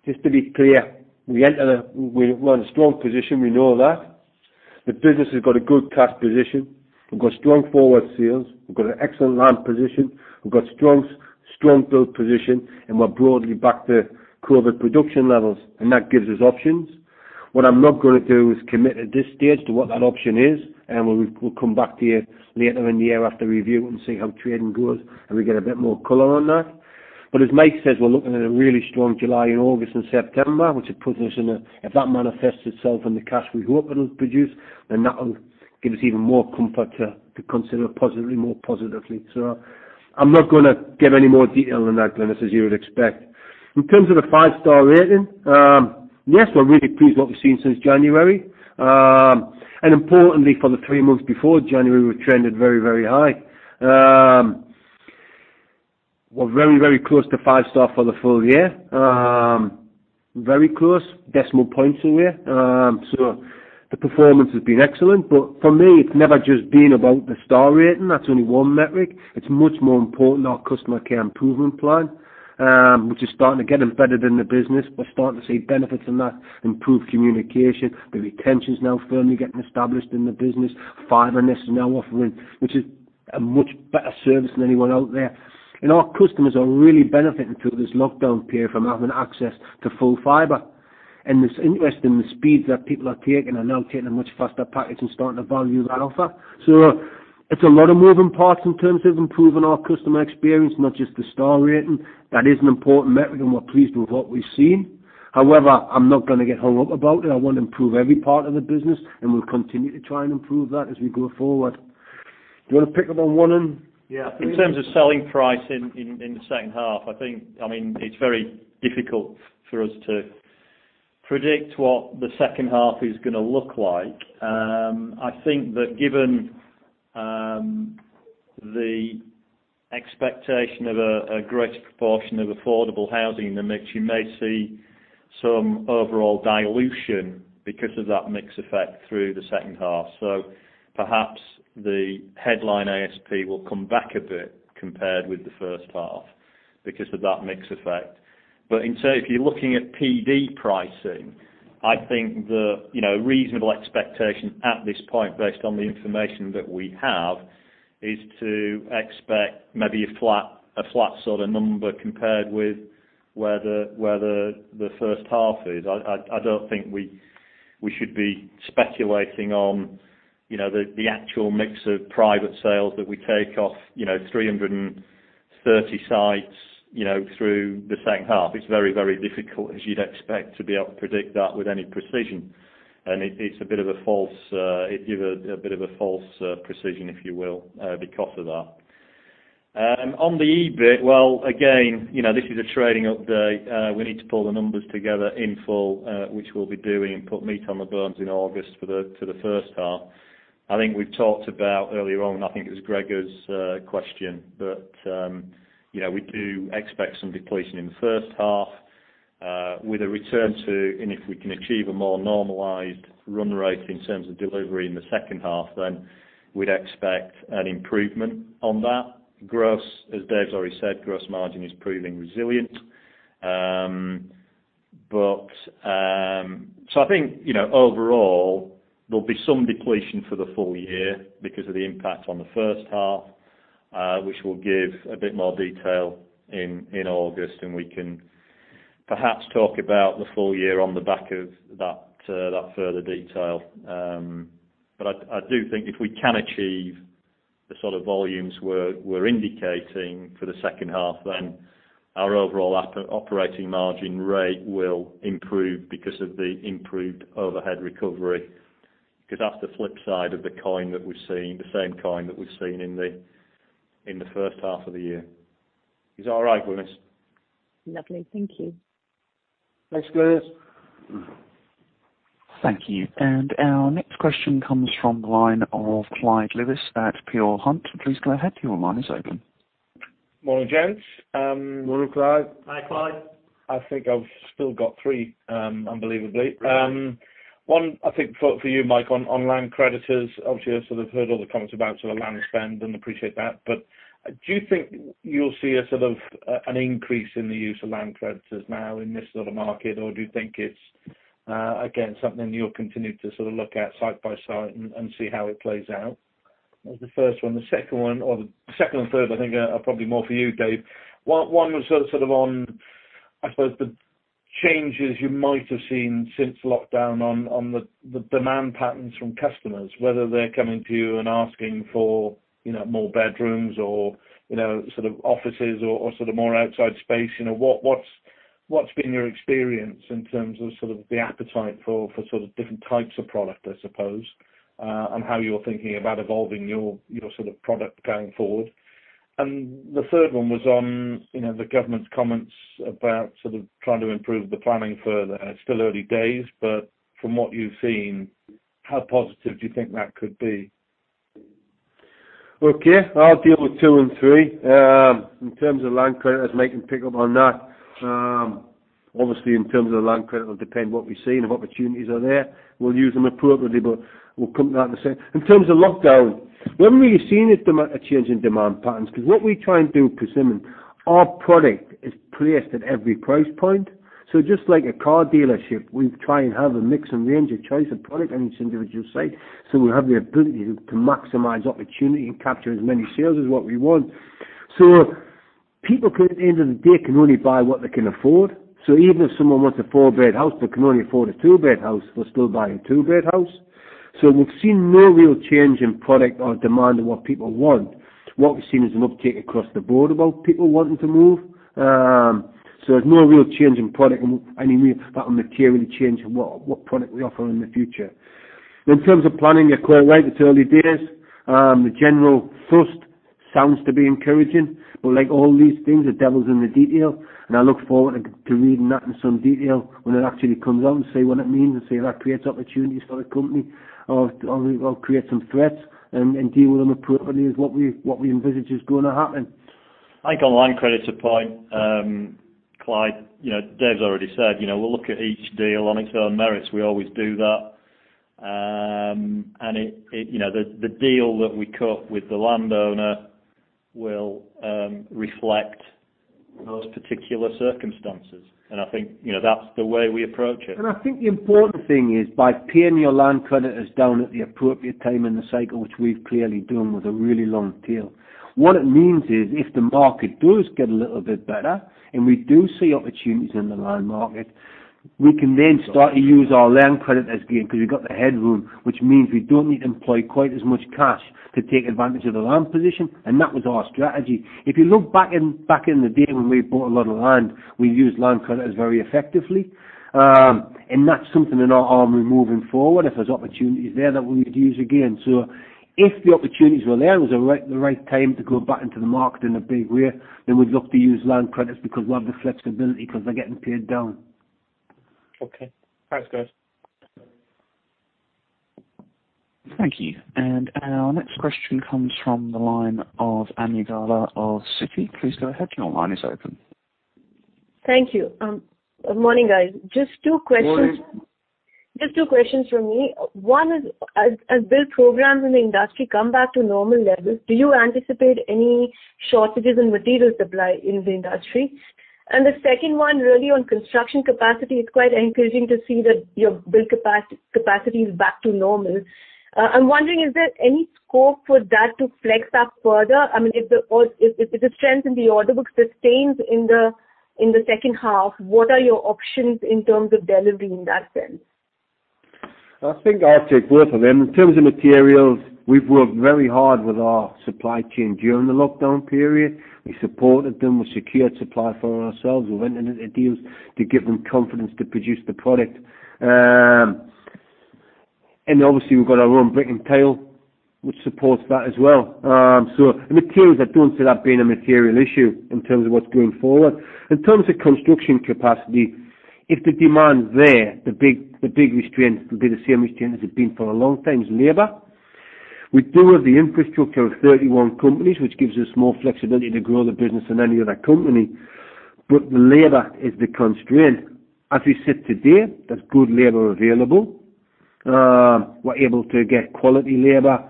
Just to be clear, we're in a strong position, we know that. The business has got a good cash position. We've got strong forward sales. We've got an excellent land position. We've got strong build position, and we're broadly back to COVID production levels, and that gives us options. What I'm not going to do is commit at this stage to what that option is, and we'll come back to you later in the year after review and see how trading goes, and we'll get a bit more color on that. As Mike says, we're looking at a really strong July and August and September. If that manifests itself in the cash we hope it'll produce, then that'll give us even more comfort to consider positively. I'm not going to give any more detail than that, Glynis, as you would expect. In terms of the five-star rating, yes, we're really pleased what we've seen since January. Importantly, for the three months before January, we trended very high. We're very close to five star for the full year. Very close. Decimal points away. The performance has been excellent. For me, it's never just been about the star rating. That's only one metric. It's much more important our Customer Care Improvement Plan, which is starting to get embedded in the business. We're starting to see benefits in that improved communication. The retention is now firmly getting established in the business. FibreNest is now offering, which is a much better service than anyone out there. Our customers are really benefiting through this lockdown period from having access to full fibre. It's interesting, the speeds that people are taking are now taking a much faster package and starting to value that offer. It's a lot of moving parts in terms of improving our customer experience, not just the star rating. That is an important metric and we're pleased with what we've seen. However, I'm not going to get hung up about it. I want to improve every part of the business, and we'll continue to try and improve that as we go forward. Do you want to pick up on one. In terms of selling price in the second half, I think, it's very difficult for us to predict what the second half is going to look like. I think that given the expectation of a greater proportion of affordable housing in the mix, you may see some overall dilution because of that mix effect through the second half. Perhaps the headline ASP will come back a bit compared with the first half because of that mix effect. In turn, if you're looking at PD pricing, I think the reasonable expectation at this point based on the information that we have, is to expect maybe a flat sort of number compared with where the first half is. I don't think we should be speculating on the actual mix of private sales that we take off 330 sites through the second half. It's very, very difficult, as you'd expect, to be able to predict that with any precision. It's a bit of a false precision, if you will, because of that. On the EBIT, well, again, this is a trading update. We need to pull the numbers together in full, which we'll be doing and put meat on the bones in August for the first half. I think we've talked about earlier on, I think it was Gregor's question, that we do expect some depletion in the first half with a return to, and if we can achieve a more normalized run rate in terms of delivery in the second half, then we'd expect an improvement on that. As Dave's already said, gross margin is proving resilient. I think, overall, there'll be some depletion for the full year because of the impact on the first half, which we'll give a bit more detail in August, and we can perhaps talk about the full year on the back of that further detail. I do think if we can achieve the sort of volumes we're indicating for the second half, then our overall operating margin rate will improve because of the improved overhead recovery, because that's the flip side of the coin that we've seen, the same coin that we've seen in the first half of the year. Is that all right, Glynis? Lovely. Thank you. Thanks, Glynis. Thank you. Our next question comes from the line of Clyde Lewis at Peel Hunt. Please go ahead. Your line is open. Morning, gents. Morning, Clyde. Hi, Clyde. I think I've still got three, unbelievably. Great. One, I think, for you, Mike, on land creditors. I sort of heard all the comments about land spend and appreciate that. Do you think you'll see a sort of an increase in the use of land creditors now in this sort of market? Do you think it's, again, something you'll continue to sort of look at site by site and see how it plays out? That was the first one. The second one or the second and third, I think, are probably more for you, Dave. One was sort of on, I suppose, the changes you might have seen since lockdown on the demand patterns from customers, whether they're coming to you and asking for more bedrooms or offices or more outside space. What's been your experience in terms of the appetite for different types of product, I suppose, and how you're thinking about evolving your product going forward? The third one was on the government's comments about trying to improve the planning further. It's still early days, but from what you've seen, how positive do you think that could be? Okay. I'll deal with two and three. In terms of land creditors, Mike can pick up on that. In terms of land credit, it will depend what we see and if opportunities are there. We'll use them appropriately. We'll come to that in a second. In terms of lockdown, we haven't really seen a change in demand patterns, because what we try and do, Persimmon, our product is placed at every price point. Just like a car dealership, we try and have a mix and range of choice of product on each individual site. We have the ability to maximize opportunity and capture as many sales as what we want. People, at the end of the day, can only buy what they can afford. Even if someone wants a four-bed house, they can only afford a two-bed house, they'll still buy a two-bed house. We've seen no real change in product or demand in what people want. What we've seen is an uptake across the board about people wanting to move. There's no real change in product in any that will materially change what product we offer in the future. In terms of planning, you're quite right, it's early days. The general thrust sounds to be encouraging, but like all these things, the devil's in the detail, and I look forward to reading that in some detail when it actually comes out and see what it means and see if that creates opportunities for the company or create some threats and deal with them appropriately as what we envisage is going to happen. I think on the land credits point, Clyde, Dave's already said we'll look at each deal on its own merits. We always do that. The deal that we cut with the landowner will reflect those particular circumstances, and I think that's the way we approach it. I think the important thing is by pinning your land creditors down at the appropriate time in the cycle, which we've clearly done with a really long tail. What it means is, if the market does get a little bit better and we do see opportunities in the land market. We can then start to use our land credit as gain because we've got the headroom, which means we don't need to employ quite as much cash to take advantage of the land position, and that was our strategy. If you look back in the day when we bought a lot of land, we used land credits very effectively. That's something in our armor moving forward, if there's opportunities there that we need to use again. If the opportunities were there and it was the right time to go back into the market in a big way, then we'd look to use land credits because we have the flexibility because they're getting paid down. Okay. Thanks, guys. Thank you. Our next question comes from the line of Ami Galla of Citi. Please go ahead. Your line is open. Thank you. Morning, guys. Just two questions. Morning. Just two questions from me. One is, as build programs in the industry come back to normal levels, do you anticipate any shortages in material supply in the industry? The second one, really on construction capacity. It's quite encouraging to see that your build capacity is back to normal. I'm wondering, is there any scope for that to flex up further? If the strength in the order book sustains in the second half, what are your options in terms of delivery in that sense? I think I'll take both of them. In terms of materials, we've worked very hard with our supply chain during the lockdown period. We supported them. We secured supply for ourselves. We went into the deals to give them confidence to produce the product. Obviously, we've got our own brick and tile, which supports that as well. In materials, I don't see that being a material issue in terms of what's going forward. In terms of construction capacity, if the demand's there, the big restraint will be the same restraint as it been for a long time, is labor. We do have the infrastructure of 31 companies, which gives us more flexibility to grow the business than any other company. Labor is the constraint. As we sit today, there's good labor available. We're able to get quality labor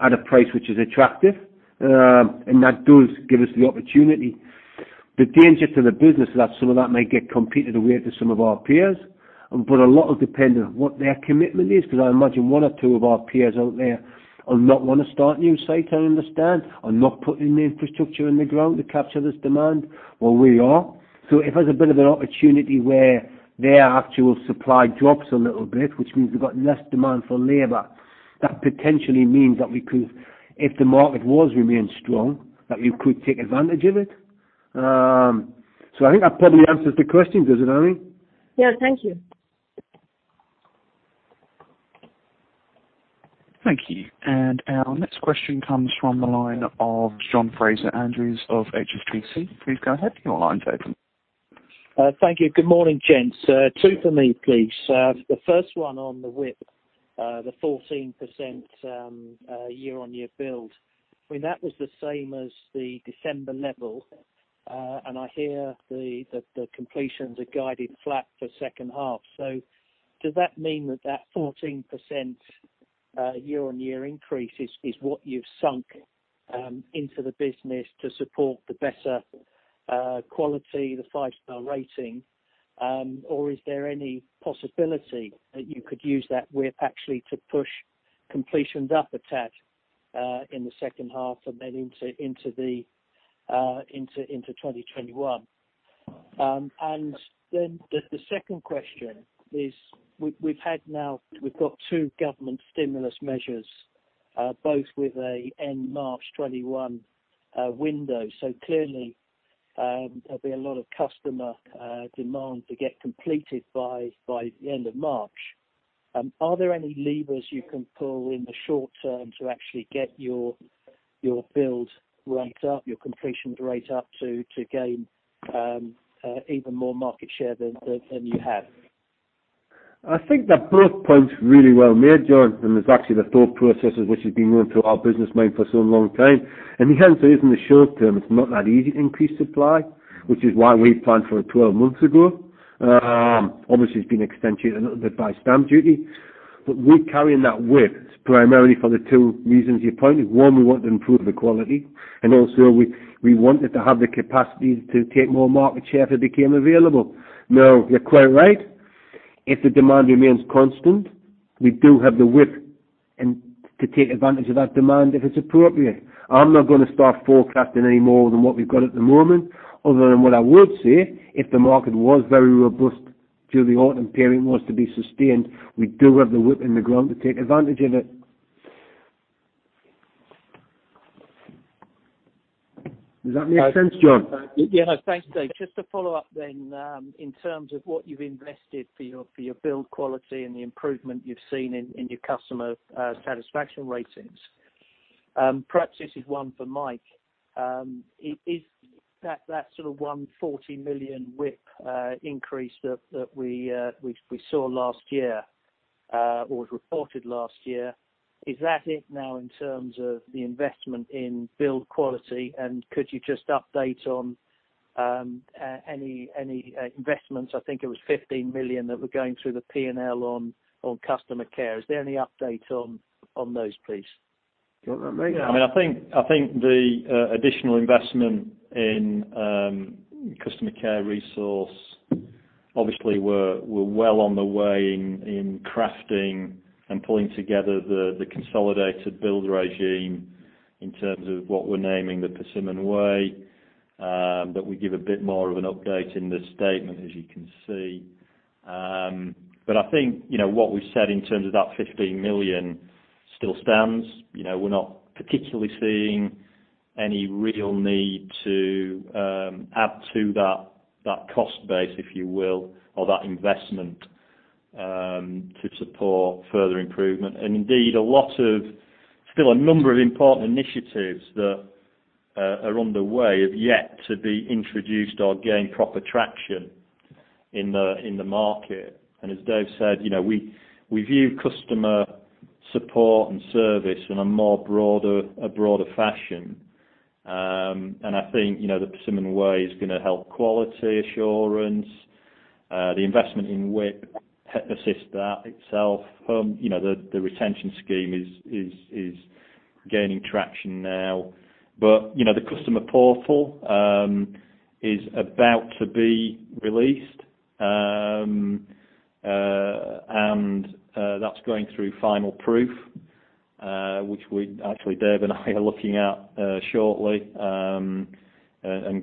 at a price which is attractive, and that does give us the opportunity. A lot will depend on what their commitment is, because I imagine one or two of our peers out there will not want to start a new site, I understand, are not putting the infrastructure in the ground to capture this demand, while we are. If there's a bit of an opportunity where their actual supply drops a little bit, which means we've got less demand for labor, that potentially means that if the market was to remain strong, that we could take advantage of it. I think that probably answers the question. Does it, Ami? Yeah. Thank you. Thank you. Our next question comes from the line of John Fraser-Andrews of HSBC. Please go ahead. Your line is open. Thank you. Good morning, gents. Two for me, please. The first one on the WIP, the 14% year-on-year build. That was the same as the December level. I hear that the completions are guided flat for second half. Does that mean that that 14% year-on-year increase is what you've sunk into the business to support the better quality, the five-star rating? Is there any possibility that you could use that WIP actually to push completions up a tad in the second half and into 2021? The second question is, we've got two government stimulus measures, both with an end March 2021 window. Clearly, there'll be a lot of customer demand to get completed by the end of March. Are there any levers you can pull in the short term to actually get your build rate up, your completions rate up to gain even more market share than you have? I think that both points are really well made, John. It's actually the thought processes which has been running through our business mind for so long time. The answer is, in the short term, it's not that easy to increase supply, which is why we've planned for it 12 months ago. Obviously, it's been extended a little bit by stamp duty. We carry that WIP primarily for the two reasons you pointed. One, we want to improve the quality, and also we wanted to have the capacity to take more market share if it became available. You're quite right. If the demand remains constant, we do have the WIP and to take advantage of that demand if it's appropriate. I'm not going to start forecasting any more than what we've got at the moment, other than what I would say, if the market was very robust through the autumn period and was to be sustained, we do have the WIP in the ground to take advantage of it. Does that make sense, John? Thanks, Dave. Just to follow up then, in terms of what you've invested for your build quality and the improvement you've seen in your customer satisfaction ratings. Perhaps this is one for Mike. That sort of 140 million WIP increase that we saw last year, or was reported last year, is that it now in terms of the investment in build quality? Could you just update on any investments, I think it was 15 million that were going through the P&L on customer care. Is there any update on those, please? Do you want that, Mike? Yeah. I think the additional investment in customer care resource, obviously we're well on the way in crafting and pulling together the consolidated build regime in terms of what we're naming the Persimmon Way. We give a bit more of an update in the statement, as you can see. I think what we've said in terms of that 15 million still stands. We're not particularly seeing any real need to add to that cost base, if you will, or that investment to support further improvement. Indeed, still a number of important initiatives that are underway have yet to be introduced or gain proper traction in the market. As Dave said, we view customer support and service in a more broader fashion. I think the Persimmon Way is going to help quality assurance. The investment in WIP assists that itself. The retention scheme is gaining traction now. The customer portal is about to be released, and that's going through final proof, which actually Dave and I are looking at shortly and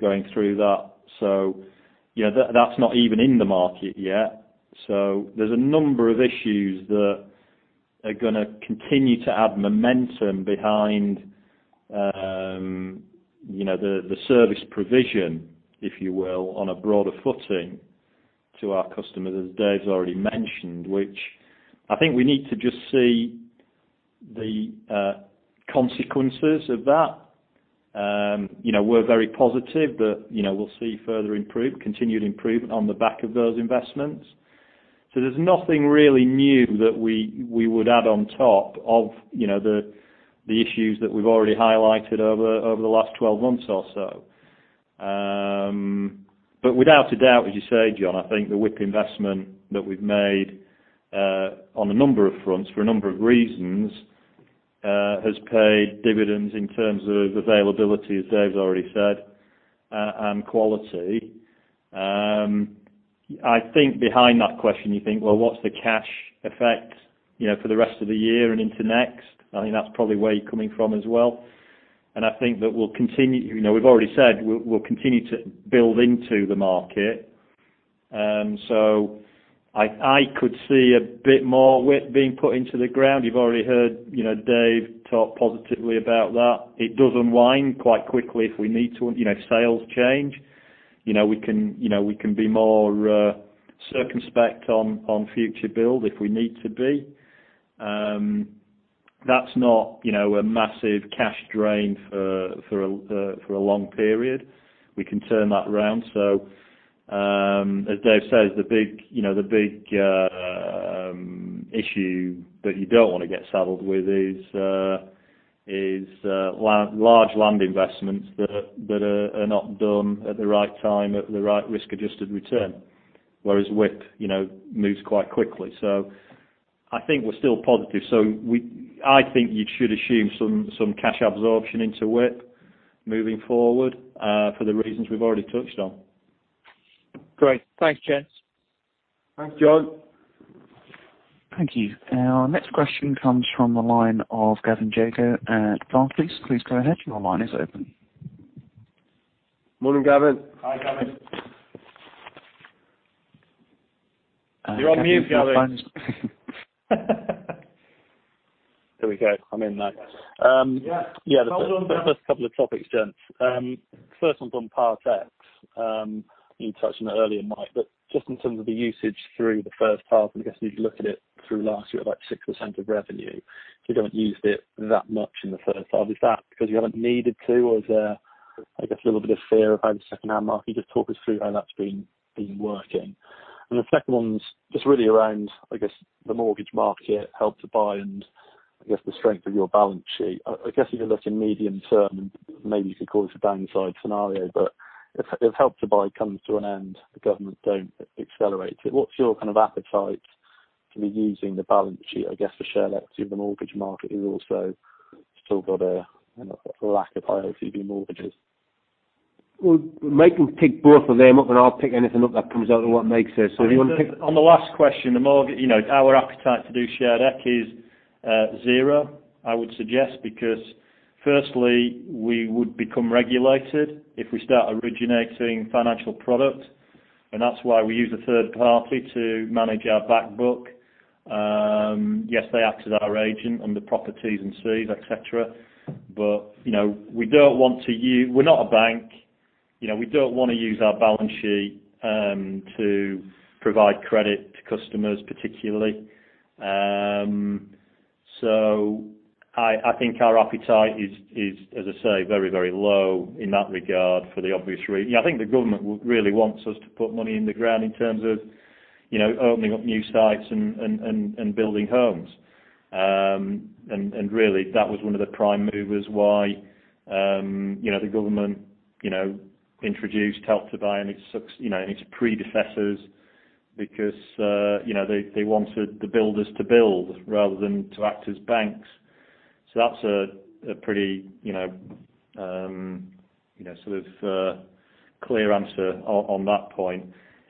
going through that. That's not even in the market yet. There's a number of issues that are going to continue to add momentum behind the service provision, if you will, on a broader footing to our customers, as Dave's already mentioned. Which I think we need to just see the consequences of that. We're very positive that we'll see further continued improvement on the back of those investments. There's nothing really new that we would add on top of the issues that we've already highlighted over the last 12 months or so. Without a doubt, as you say, John, I think the WIP investment that we've made on a number of fronts for a number of reasons, has paid dividends in terms of availability, as Dave's already said, and quality. I think behind that question, you think, "Well, what's the cash effect for the rest of the year and into next?" I think that's probably where you're coming from as well. I think that we'll continue. We've already said we'll continue to build into the market. I could see a bit more WIP being put into the ground. You've already heard Dave talk positively about that. It does unwind quite quickly if we need to, if sales change. We can be more circumspect on future build if we need to be. That's not a massive cash drain for a long period. We can turn that around. As Dave says, the big issue that you don't want to get saddled with is large land investments that are not done at the right time, at the right risk-adjusted return. Whereas WIP moves quite quickly. I think we're still positive. I think you should assume some cash absorption into WIP moving forward, for the reasons we've already touched on. Great. Thanks, gents. Thanks, John. Thank you. Our next question comes from the line of Gavin Jacob at Barclays. Please go ahead. Your line is open. Morning, Gavin. Hi, Gavin. You're on mute, Gavin. There we go. I'm in now. Yeah. No problem, mate. Yeah. The first couple of topics, gents. First one's on Part Ex. You touched on that earlier, Mike, but just in terms of the usage through the first half, I'm guessing if you look at it through last year at 6% of revenue, so you haven't used it that much in the first half. Is that because you haven't needed to? Is there, I guess, a little bit of fear about the secondhand market? Just talk us through how that's been working. The second one's just really around, I guess, the mortgage market, Help to Buy, and I guess the strength of your balance sheet. I guess if you're looking medium term, maybe you could call this a bank side scenario, but if Help to Buy comes to an end, the government don't accelerate it, what's your kind of appetite to be using the balance sheet, I guess, for shared equity if the mortgage market is also still got a lack of high LTV mortgages? Well, Mike can pick both of them up, and I'll pick anything up that comes out of what Mike says. If you want to pick- On the last question, our appetite to do shared eq is zero, I would suggest, because firstly, we would become regulated if we start originating financial product, and that's why we use a third party to manage our back book. Yes, they act as our agent on the properties and fees, et cetera. We're not a bank. We don't want to use our balance sheet to provide credit to customers particularly. I think our appetite is, as I say, very low in that regard for the obvious reason. I think the government really wants us to put money in the ground in terms of opening up new sites and building homes. Really, that was one of the prime movers why the government introduced Help to Buy and its predecessors because they wanted the builders to build rather than to act as banks. That's a pretty sort of clear answer on that point.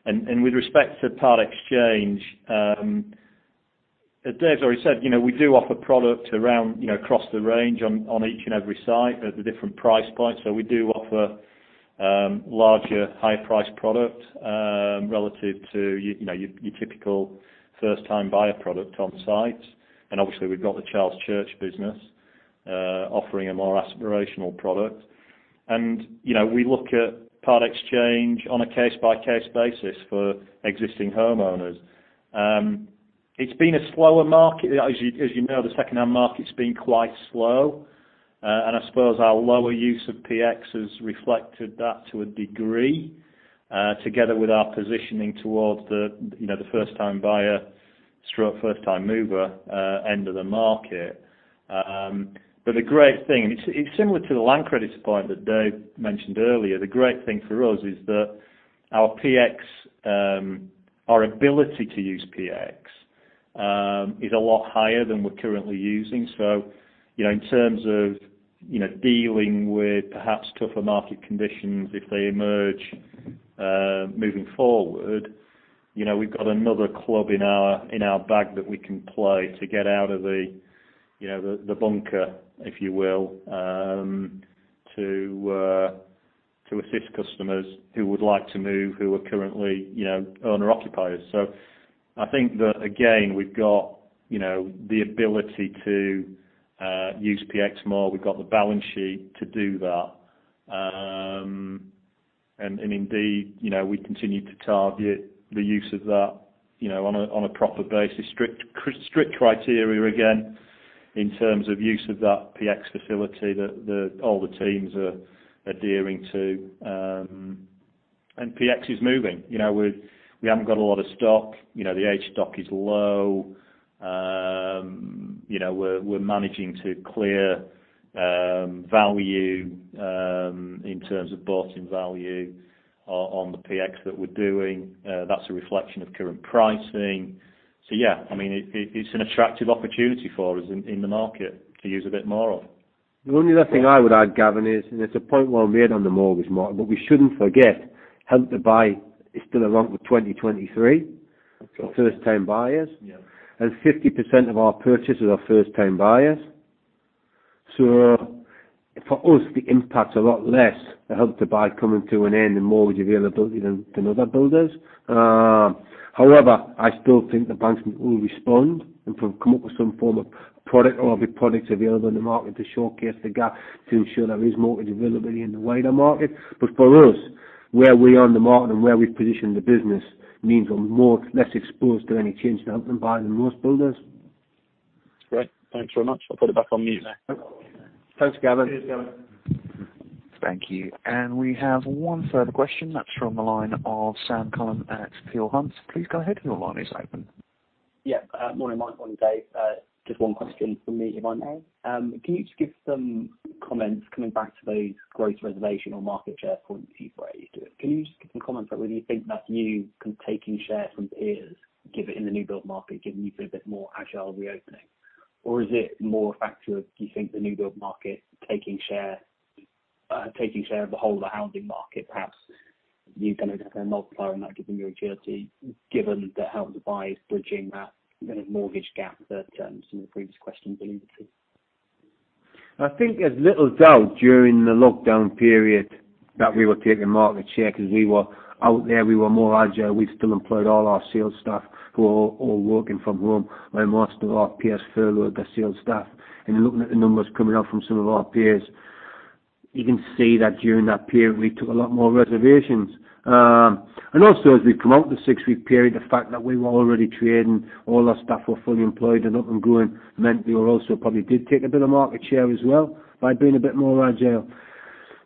With respect to Part Exchange, as Dave already said, we do offer product around across the range on each and every site at the different price points. We do offer larger, higher priced product relative to your typical first-time buyer product on sites. Obviously we've got the Charles Church business offering a more aspirational product. We look at Part Exchange on a case-by-case basis for existing homeowners. It's been a slower market. As you know, the secondhand market's been quite slow. I suppose our lower use of PX has reflected that to a degree, together with our positioning towards the first-time buyer/first-time mover end of the market. The great thing, it's similar to the land credits point that Dave mentioned earlier. The great thing for us is that our PX, our ability to use PX, is a lot higher than we're currently using. In terms of dealing with perhaps tougher market conditions if they emerge moving forward, we've got another club in our bag that we can play to get out of the bunker, if you will, to assist customers who would like to move who are currently owner-occupiers. I think that again, we've got the ability to use PX more. We've got the balance sheet to do that. Indeed, we continue to target the use of that on a proper basis. Strict criteria, again, in terms of use of that PX facility that all the teams are adhering to. PX is moving. We haven't got a lot of stock. The aged stock is low. We're managing to clear value in terms of bought-in value on the PX that we're doing. That's a reflection of current pricing. Yeah, it's an attractive opportunity for us in the market to use a bit more of. The only other thing I would add, Gavin, is, and it's a point well-made on the mortgage market, but we shouldn't forget Help to Buy is still around for 2023 for first-time buyers. Yeah. 50% of our purchases are first-time buyers. For us, the impact's a lot less, the Help to Buy coming to an end and mortgage availability than other builders. However, I still think the banks will respond and come up with some form of product or other products available in the market to showcase the gap to ensure there is mortgage availability in the wider market. For us, where we are in the market and where we've positioned the business means we're less exposed to any change in Help to Buy than most builders. Great. Thanks very much. I'll put it back on mute now. Okay. Thanks, Gavin. Cheers, Gavin. Thank you. We have one further question. That's from the line of Sam Cullen at Peel Hunt. Please go ahead. Your line is open. Yeah. Morning, Mike. Morning, Dave. Just one question from me, if I may. Can you just give some comments coming back to those growth reservation or market share points, the way you do it. Can you just give some comments on whether you think that's you taking share from peers, given in the new build market, given you feel a bit more agile reopening? Is it more a factor of, do you think the new build market taking share of the whole of the housing market, perhaps you kind of have a multiplier on that given your agility, given the Help to Buy is bridging that mortgage gap that some of the previous questions allude to? I think there's little doubt during the lockdown period that we were taking market share because we were out there, we were more agile. We still employed all our sales staff who are all working from home, where most of our peers furloughed their sales staff. Looking at the numbers coming out from some of our peers, you can see that during that period, we took a lot more reservations. Also as we've come out the six-week period, the fact that we were already trading, all our staff were fully employed and up and growing, meant we were also probably did take a bit of market share as well by being a bit more agile.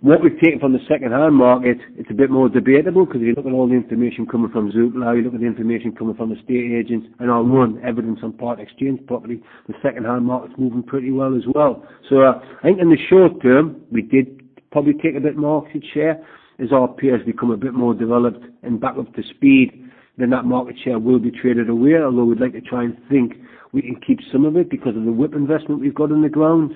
What we've taken from the secondhand market, it's a bit more debatable because you look at all the information coming from Zoopla, you look at the information coming from estate agents, and our own evidence on Part Exchange property, the secondhand market's moving pretty well as well. I think in the short term, we did probably take a bit of market share. As our peers become a bit more developed and back up to speed, then that market share will be traded away, although we'd like to try and think we can keep some of it because of the WIP investment we've got in the ground.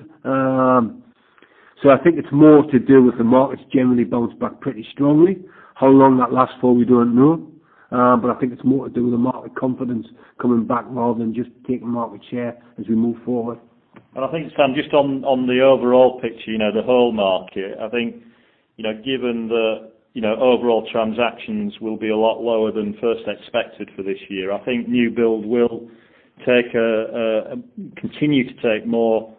I think it's more to do with the markets generally bounce back pretty strongly. How long that lasts for, we don't know. I think it's more to do with the market confidence coming back rather than just taking market share as we move forward. I think, Sam, just on the overall picture, the whole market, I think, given the overall transactions will be a lot lower than first expected for this year. I think new build will continue to take more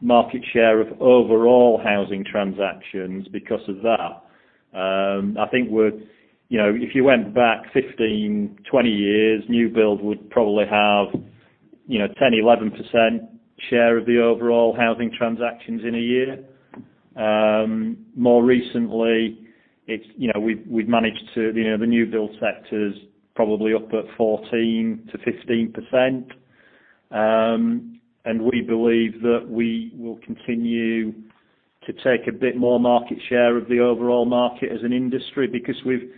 market share of overall housing transactions because of that. I think if you went back 15, 20 years, new build would probably have 10%, 11% share of the overall housing transactions in a year. More recently, the new build sector's probably up at 14%-15%. We believe that we will continue to take a bit more market share of the overall market as an industry because we've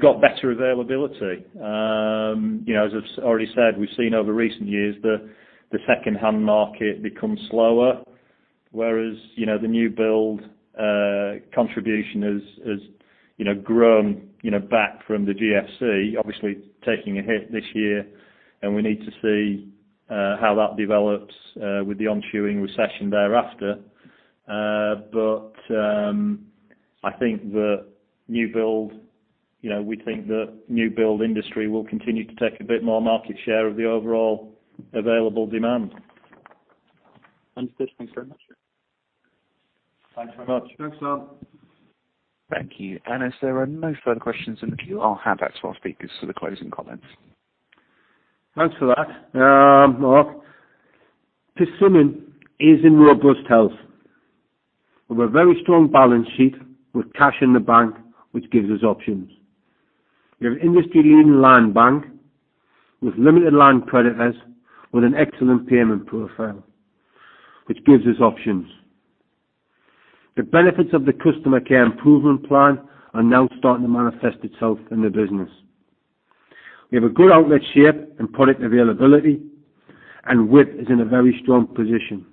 got better availability. As I've already said, we've seen over recent years the secondhand market become slower, whereas the new build contribution has grown back from the GFC, obviously taking a hit this year, and we need to see how that develops with the ensuing recession thereafter. I think that new build industry will continue to take a bit more market share of the overall available demand. Understood. Thanks very much. Thanks very much. Thanks, Sam. Thank you. As there are no further questions in the queue, I'll hand back to our speakers for the closing comments. Thanks for that, Mark. Persimmon is in robust health. We've a very strong balance sheet with cash in the bank, which gives us options. We have an industry-leading land bank with limited land creditors with an excellent payment profile, which gives us options. The benefits of the customer care improvement plan are now starting to manifest itself in the business. We have a good outlet shape and product availability, and WIP is in a very strong position,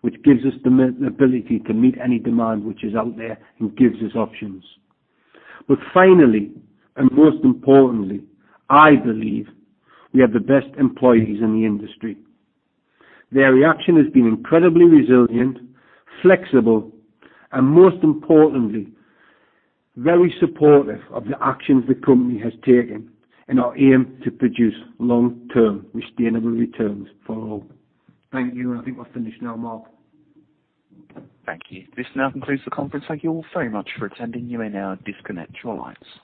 which gives us the ability to meet any demand which is out there and gives us options. Finally, and most importantly, I believe we have the best employees in the industry. Their reaction has been incredibly resilient, flexible, and most importantly, very supportive of the actions the company has taken in our aim to produce long-term sustainable returns for all. Thank you, and I think we'll finish now, Mark. Thank you. This now concludes the conference. Thank you all very much for attending. You may now disconnect your lines.